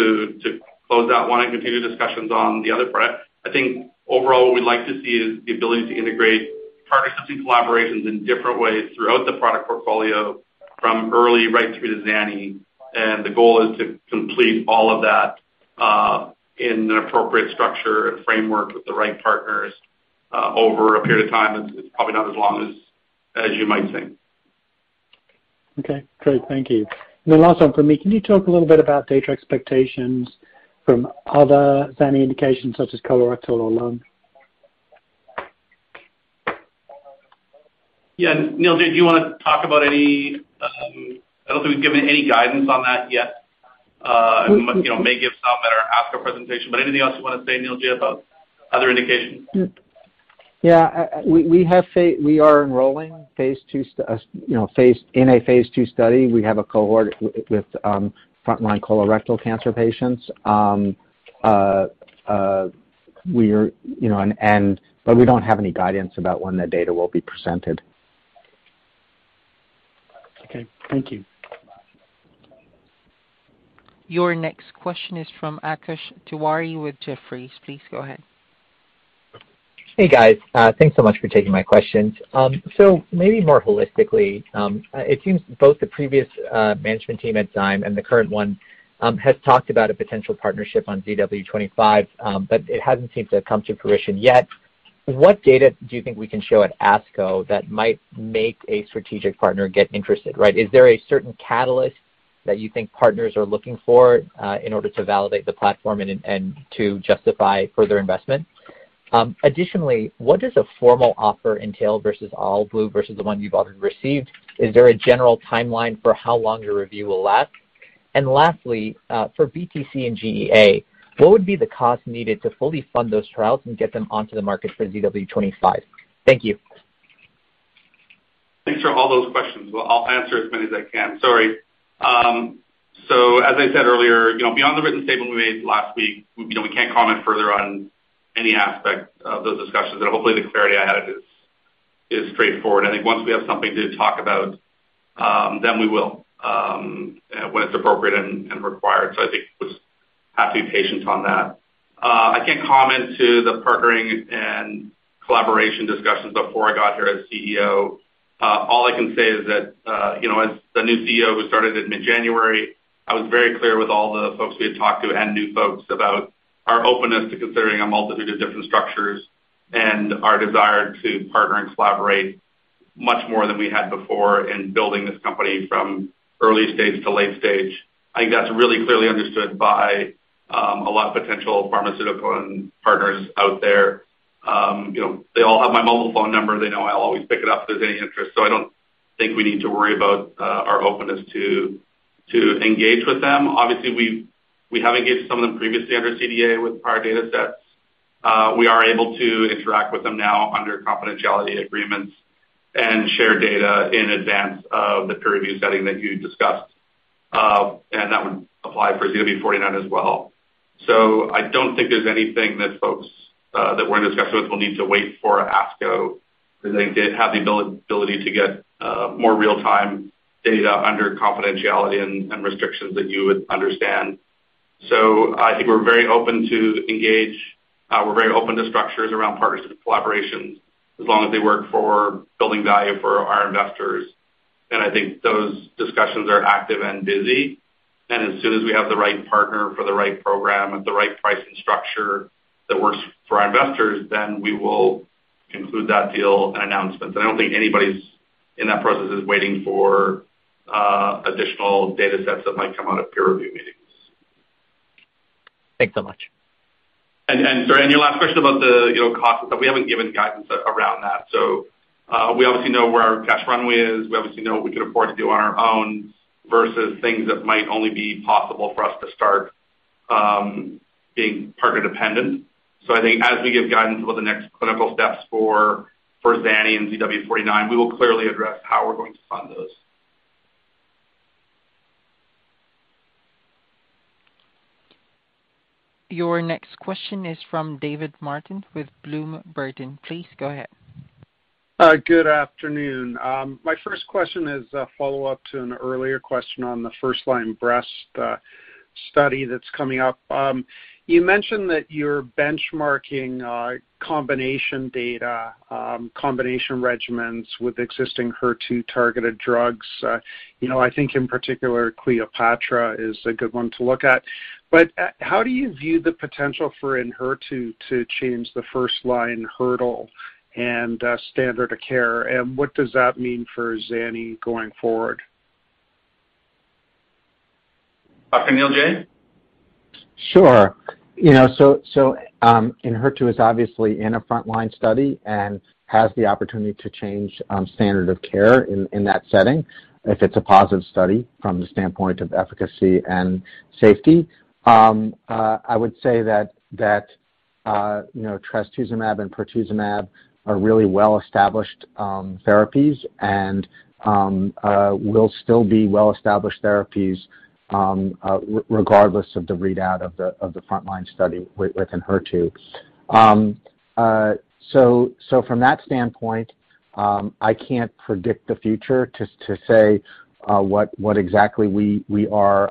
to close out one and continue discussions on the other front. I think overall, what we'd like to see is the ability to integrate partner-sourcing collaborations in different ways throughout the product portfolio from early right through to zanidatamab. The goal is to complete all of that in an appropriate structure and framework with the right partners over a period of time, and it's probably not as long as you might think. Okay, great. Thank you. Last one from me. Can you talk a little bit about data expectations from other zanidatamab indications such as colorectal or lung? Yeah. Neil, do you wanna talk about any? I don't think we've given any guidance on that yet. Mm-hmm. You know, we may give some at our ASCO presentation, but anything else you wanna say, Neil, about other indications? Yeah. We are enrolling in a phase II study. We have a cohort with frontline colorectal cancer patients. You know, but we don't have any guidance about when the data will be presented. Okay. Thank you. Your next question is from Akash Tewari with Jefferies. Please go ahead. Hey, guys. Thanks so much for taking my questions. So maybe more holistically, it seems both the previous management team at Zymeworks and the current one has talked about a potential partnership on ZW25, but it hasn't seemed to have come to fruition yet. What data do you think we can show at ASCO that might make a strategic partner get interested, right? Is there a certain catalyst that you think partners are looking for in order to validate the platform and to justify further investment? Additionally, what does a formal offer entail versus All Blue versus the one you've already received? Is there a general timeline for how long your review will last? Lastly, for BTC and GEA, what would be the cost needed to fully fund those trials and get them onto the market for ZW25? Thank you. Thanks for all those questions. Well, I'll answer as many as I can. Sorry. So as I said earlier, you know, beyond the written statement we made last week, you know, we can't comment further on any aspect of those discussions, and hopefully the clarity I had is straightforward. I think once we have something to talk about, then we will, when it's appropriate and required. I think just have to be patient on that. I can't comment to the partnering and collaboration discussions before I got here as CEO. All I can say is that, you know, as the new CEO who started in mid-January, I was very clear with all the folks we had talked to and new folks about our openness to considering a multitude of different structures and our desire to partner and collaborate much more than we had before in building this company from early stage to late stage. I think that's really clearly understood by a lot of potential pharmaceutical partners out there. You know, they all have my mobile phone number. They know I'll always pick it up if there's any interest. I don't think we need to worry about our openness to engage with them. Obviously, we have engaged with some of them previously under CDA with prior datasets. We are able to interact with them now under confidentiality agreements and share data in advance of the peer review setting that you discussed. That would apply for ZW49 as well. I don't think there's anything that folks that we're in discussions will need to wait for ASCO, because they did have the availability to get more real-time data under confidentiality and restrictions that you would understand. I think we're very open to engage. We're very open to structures around partnership collaborations as long as they work for building value for our investors. I think those discussions are active and busy. As soon as we have the right partner for the right program at the right pricing structure that works for our investors, then we will include that deal in announcements. I don't think anybody in that process is waiting for additional datasets that might come out of peer review meetings. Thanks so much. Sorry, your last question about the, you know, cost, we haven't given guidance around that. We obviously know where our cash runway is. We obviously know what we could afford to do on our own versus things that might only be possible for us to start, being partner dependent. I think as we give guidance about the next clinical steps for Zani and ZW49, we will clearly address how we're going to fund those. Your next question is from David Martin with Bloom Burton. Please go ahead. Good afternoon. My first question is a follow-up to an earlier question on the first-line breast study that's coming up. You mentioned that you're benchmarking combination regimens with existing HER2-targeted drugs. You know, I think in particular, CLEOPATRA is a good one to look at. How do you view the potential for Enhertu to change the first-line hurdle and standard of care? What does that mean for zanidatamab going forward? Dr. Neil Josephson. Sure. You know, zanidatamab is obviously in a frontline study and has the opportunity to change standard of care in that setting if it's a positive study from the standpoint of efficacy and safety. I would say that you know, trastuzumab and pertuzumab are really well-established therapies and will still be well-established therapies regardless of the readout of the frontline study with zanidatamab. From that standpoint, I can't predict the future to say what exactly we are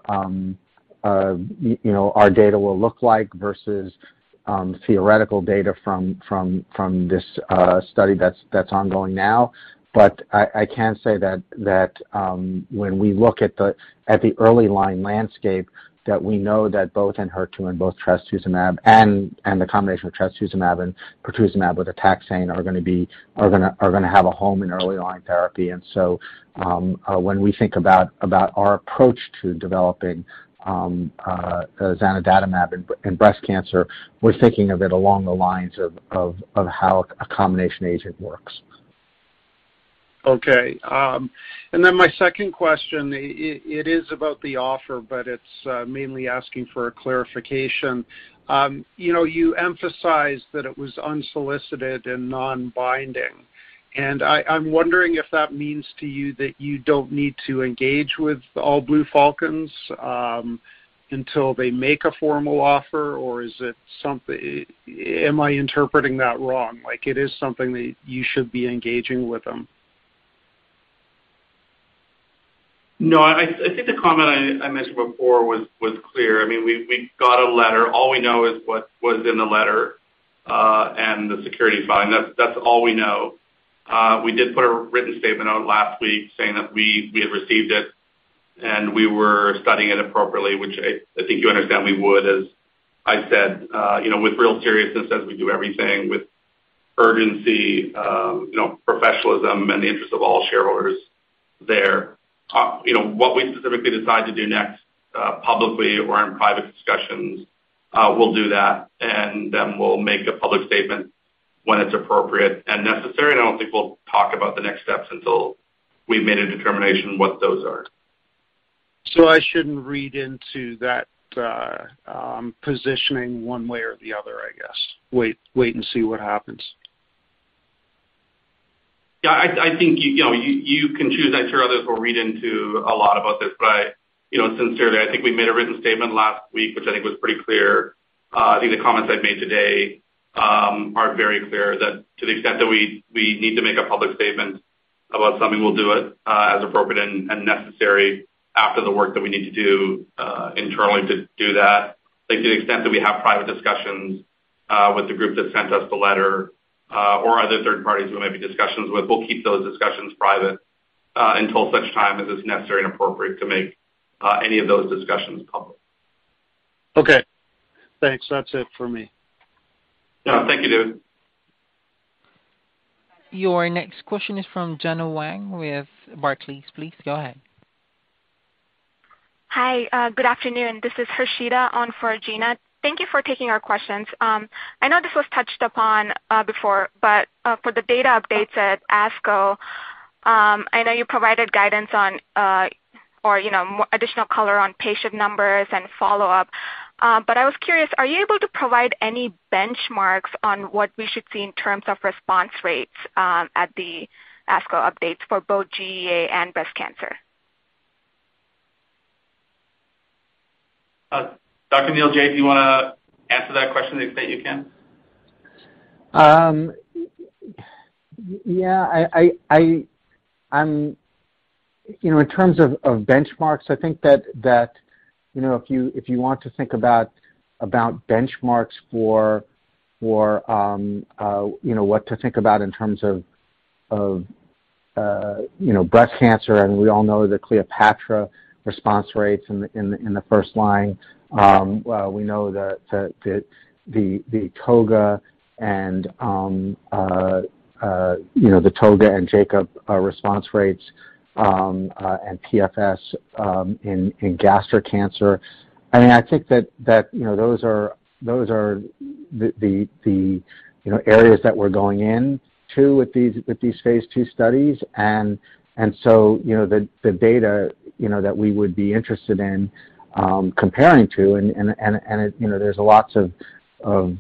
you know, our data will look like versus theoretical data from this study that's ongoing now. I can say that when we look at the early line landscape, that we know that both in HER2 and trastuzumab and the combination of trastuzumab and pertuzumab with a taxane are gonna have a home in early line therapy. When we think about our approach to developing zanidatamab in breast cancer, we're thinking of it along the lines of how a combination agent works. Okay. My second question, it is about the offer, but it's mainly asking for a clarification. You know, you emphasized that it was unsolicited and non-binding, and I'm wondering if that means to you that you don't need to engage with All Blue Falcons until they make a formal offer, or is it something? Am I interpreting that wrong? Like it is something that you should be engaging with them? No, I think the comment I mentioned before was clear. I mean, we've got a letter. All we know is what was in the letter, and the securities filing. That's all we know. We did put a written statement out last week saying that we had received it and we were studying it appropriately, which I think you understand we would, as I said, you know, with real seriousness as we do everything with urgency, you know, professionalism in the interest of all shareholders there. You know, what we specifically decide to do next, publicly or in private discussions, we'll do that, and then we'll make a public statement when it's appropriate and necessary. I don't think we'll talk about the next steps until we've made a determination what those are. I shouldn't read into that, positioning one way or the other, I guess. Wait and see what happens. Yeah, I think, you know, you can choose. I'm sure others will read into a lot about this. You know, sincerely, I think we made a written statement last week, which I think was pretty clear. I think the comments I've made today are very clear that to the extent that we need to make a public statement about something, we'll do it as appropriate and necessary after the work that we need to do internally to do that. I think to the extent that we have private discussions with the group that sent us the letter or other third parties we may have discussions with, we'll keep those discussions private until such time as it's necessary and appropriate to make any of those discussions public. Okay. Thanks. That's it for me. Yeah. Thank you, David. Your next question is from Gena Wang with Barclays. Please go ahead. Hi, good afternoon. This is Harshita on for Gena. Thank you for taking our questions. I know this was touched upon before, but for the data updates at ASCO, I know you provided guidance on, or you know, additional color on patient numbers and follow-up. I was curious, are you able to provide any benchmarks on what we should see in terms of response rates at the ASCO updates for both GEA and breast cancer? Dr. Neil Josephson, do you wanna answer that question to the extent you can? You know, in terms of benchmarks, I think that, you know, if you want to think about benchmarks for, you know, what to think about in terms of, you know, breast cancer, and we all know the CLEOPATRA response rates in the first line. We know the ToGA and JACOB response rates and PFS in gastric cancer. I mean, I think that, you know, those are the, you know, areas that we're going in to with these phase 2 studies. You know, the data, you know, that we would be interested in comparing to and, you know, there's lots of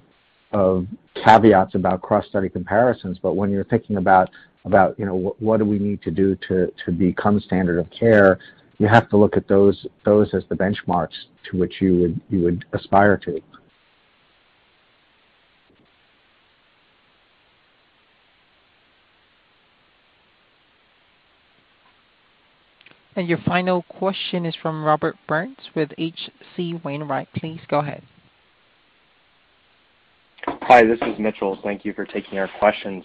caveats about cross-study comparisons. When you're thinking about, you know, what do we need to do to become standard of care, you have to look at those as the benchmarks to which you would aspire to. Your final question is from Robert Burns with H.C. Wainwright. Please go ahead. Hi, this is Mitchell. Thank you for taking our questions.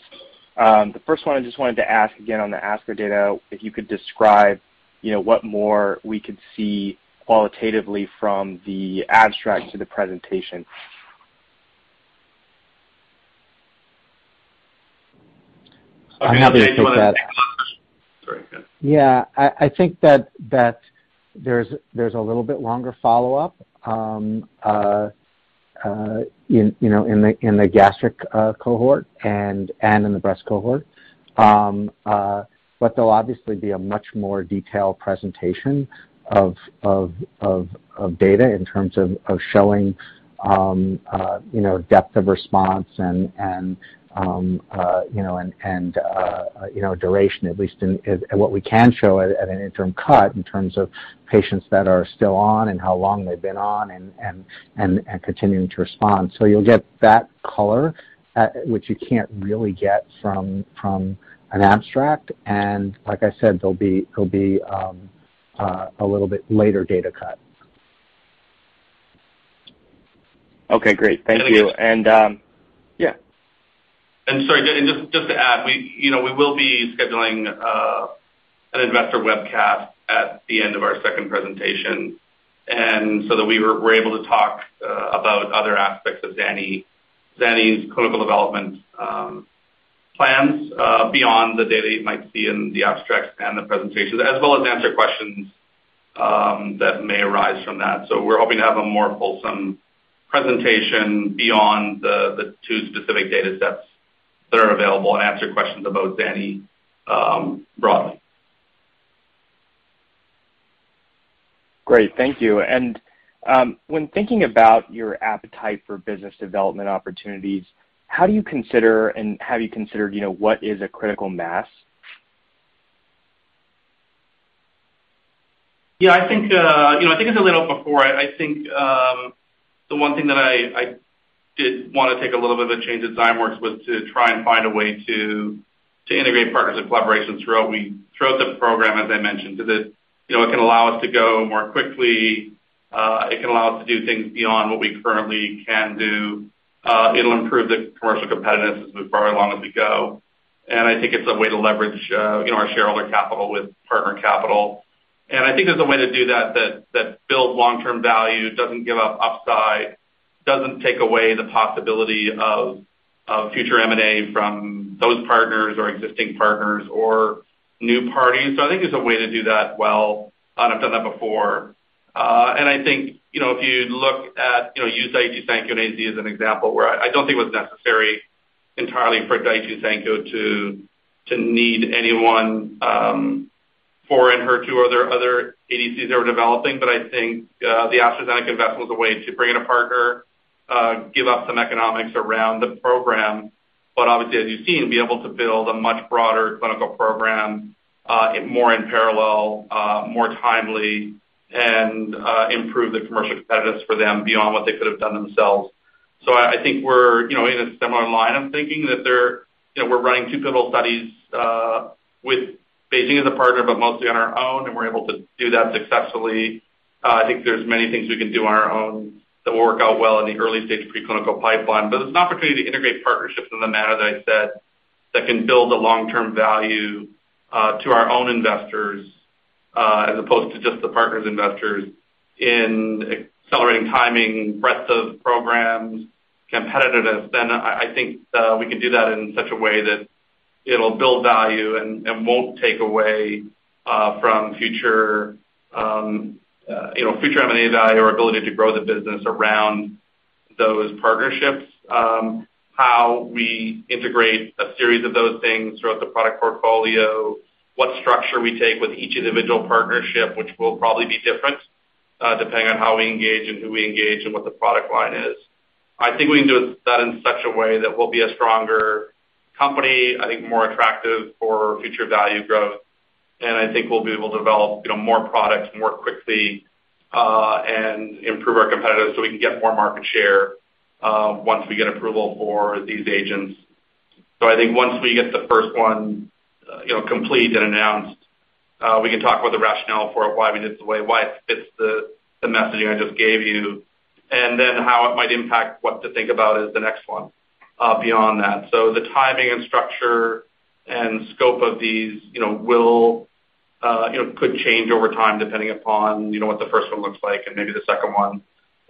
The first one I just wanted to ask again on the ASCO data, if you could describe, you know, what more we could see qualitatively from the abstract to the presentation? I think that. Yeah. I think that there's a little bit longer follow-up, you know, in the gastric cohort and in the breast cohort. There'll obviously be a much more detailed presentation of data in terms of showing, you know, depth of response and, you know, duration at least in what we can show at an interim cut in terms of patients that are still on and how long they've been on and continuing to respond. You'll get that color, which you can't really get from an abstract. Like I said, there'll be a little bit later data cut. Okay, great. Thank you. Yeah. Sorry, just to add, you know, we will be scheduling an investor webcast at the end of our second presentation, so that we're able to talk about other aspects of zanidatamab's clinical development plans beyond the data you might see in the abstracts and the presentations as well as answer questions that may arise from that. We're hoping to have a more fulsome presentation beyond the two specific datasets that are available and answer questions about zanidatamab broadly. Great. Thank you. When thinking about your appetite for business development opportunities, how do you consider and have you considered, you know, what is a critical mass? Yeah, I think, you know, I think as I laid out before, I think the one thing that I did wanna take a little bit of a change at Zymeworks was to try and find a way to integrate partners and collaborations throughout the program, as I mentioned. It can allow us to go more quickly. It can allow us to do things beyond what we currently can do. It'll improve the commercial competitiveness for as long as we go. I think it's a way to leverage, you know, our shareholder capital with partner capital. I think there's a way to do that that builds long-term value, doesn't give up upside, doesn't take away the possibility of future M&A from those partners or existing partners or new parties. I think there's a way to do that well, and I've done that before. I think, you know, if you look at, you know, use Daiichi Sankyo and AZ as an example where I don't think it was necessary entirely for Daiichi Sankyo to need anyone, for Enhertu other ADCs they were developing. I think the AstraZeneca investment was a way to bring in a partner, give up some economics around the program. Obviously, as you've seen, be able to build a much broader clinical program, more in parallel, more timely and, improve the commercial competitiveness for them beyond what they could have done themselves. I think we're you know, in a similar line of thinking you know, we're running two pivotal studies with BeiGene as a partner, but mostly on our own, and we're able to do that successfully. I think there's many things we can do on our own that will work out well in the early stage of preclinical pipeline. There's an opportunity to integrate partnerships in the manner that I said that can build the long-term value to our own investors as opposed to just the partner's investors in accelerating timing, breadth of programs, competitiveness. I think we can do that in such a way that it'll build value and won't take away from future you know, future M&A value or ability to grow the business around those partnerships. How we integrate a series of those things throughout the product portfolio, what structure we take with each individual partnership, which will probably be different, depending on how we engage and who we engage and what the product line is. I think we can do that in such a way that we'll be a stronger company, I think more attractive for future value growth, and I think we'll be able to develop, you know, more products more quickly, and improve over our competitors so we can get more market share, once we get approval for these agents. I think once we get the first one, you know, complete and announced, we can talk about the rationale for it, why we did it the way, why it fits the messaging I just gave you, and then how it might impact what to think about as the next one, beyond that. The timing and structure and scope of these, you know, will, you know, could change over time depending upon, you know, what the first one looks like and maybe the second one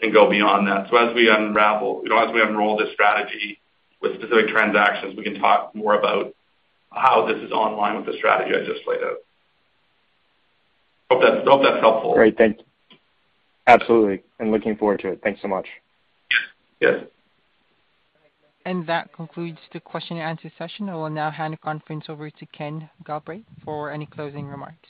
and go beyond that. As we unroll this strategy with specific transactions, we can talk more about how this is in line with the strategy I just laid out. Hope that's helpful. Great. Thank you. Absolutely, and looking forward to it. Thanks so much. Yes. That concludes the question and answer session. I will now hand the conference over to Kenneth Galbraith for any closing remarks.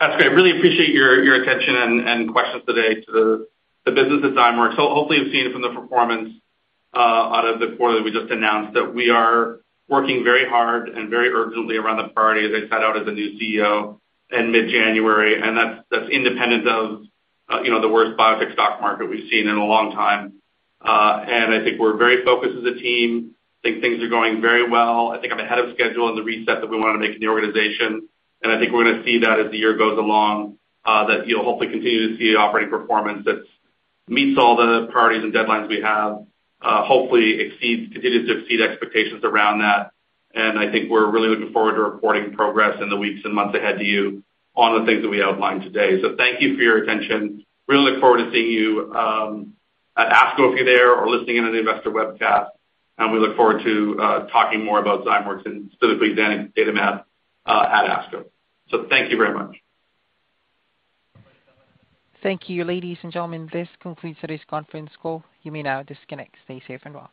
That's great. Really appreciate your attention and questions today to the business of Zymeworks. Hopefully you've seen it from the performance out of the quarter that we just announced, that we are working very hard and very urgently around the priorities I set out as a new CEO in mid-January, and that's independent of, you know, the worst biotech stock market we've seen in a long time. I think we're very focused as a team. I think things are going very well. I think I'm ahead of schedule on the reset that we wanna make in the organization. I think we're gonna see that as the year goes along, that you'll hopefully continue to see an operating performance that's meets all the priorities and deadlines we have, hopefully continues to exceed expectations around that. I think we're really looking forward to reporting progress in the weeks and months ahead to you on the things that we outlined today. Thank you for your attention. Really look forward to seeing you at ASCO if you're there or listening in on the investor webcast. We look forward to talking more about Zymeworks and specifically zanidatamab at ASCO. Thank you very much. Thank you. Ladies and gentlemen, this concludes today's conference call. You may now disconnect. Stay safe and well.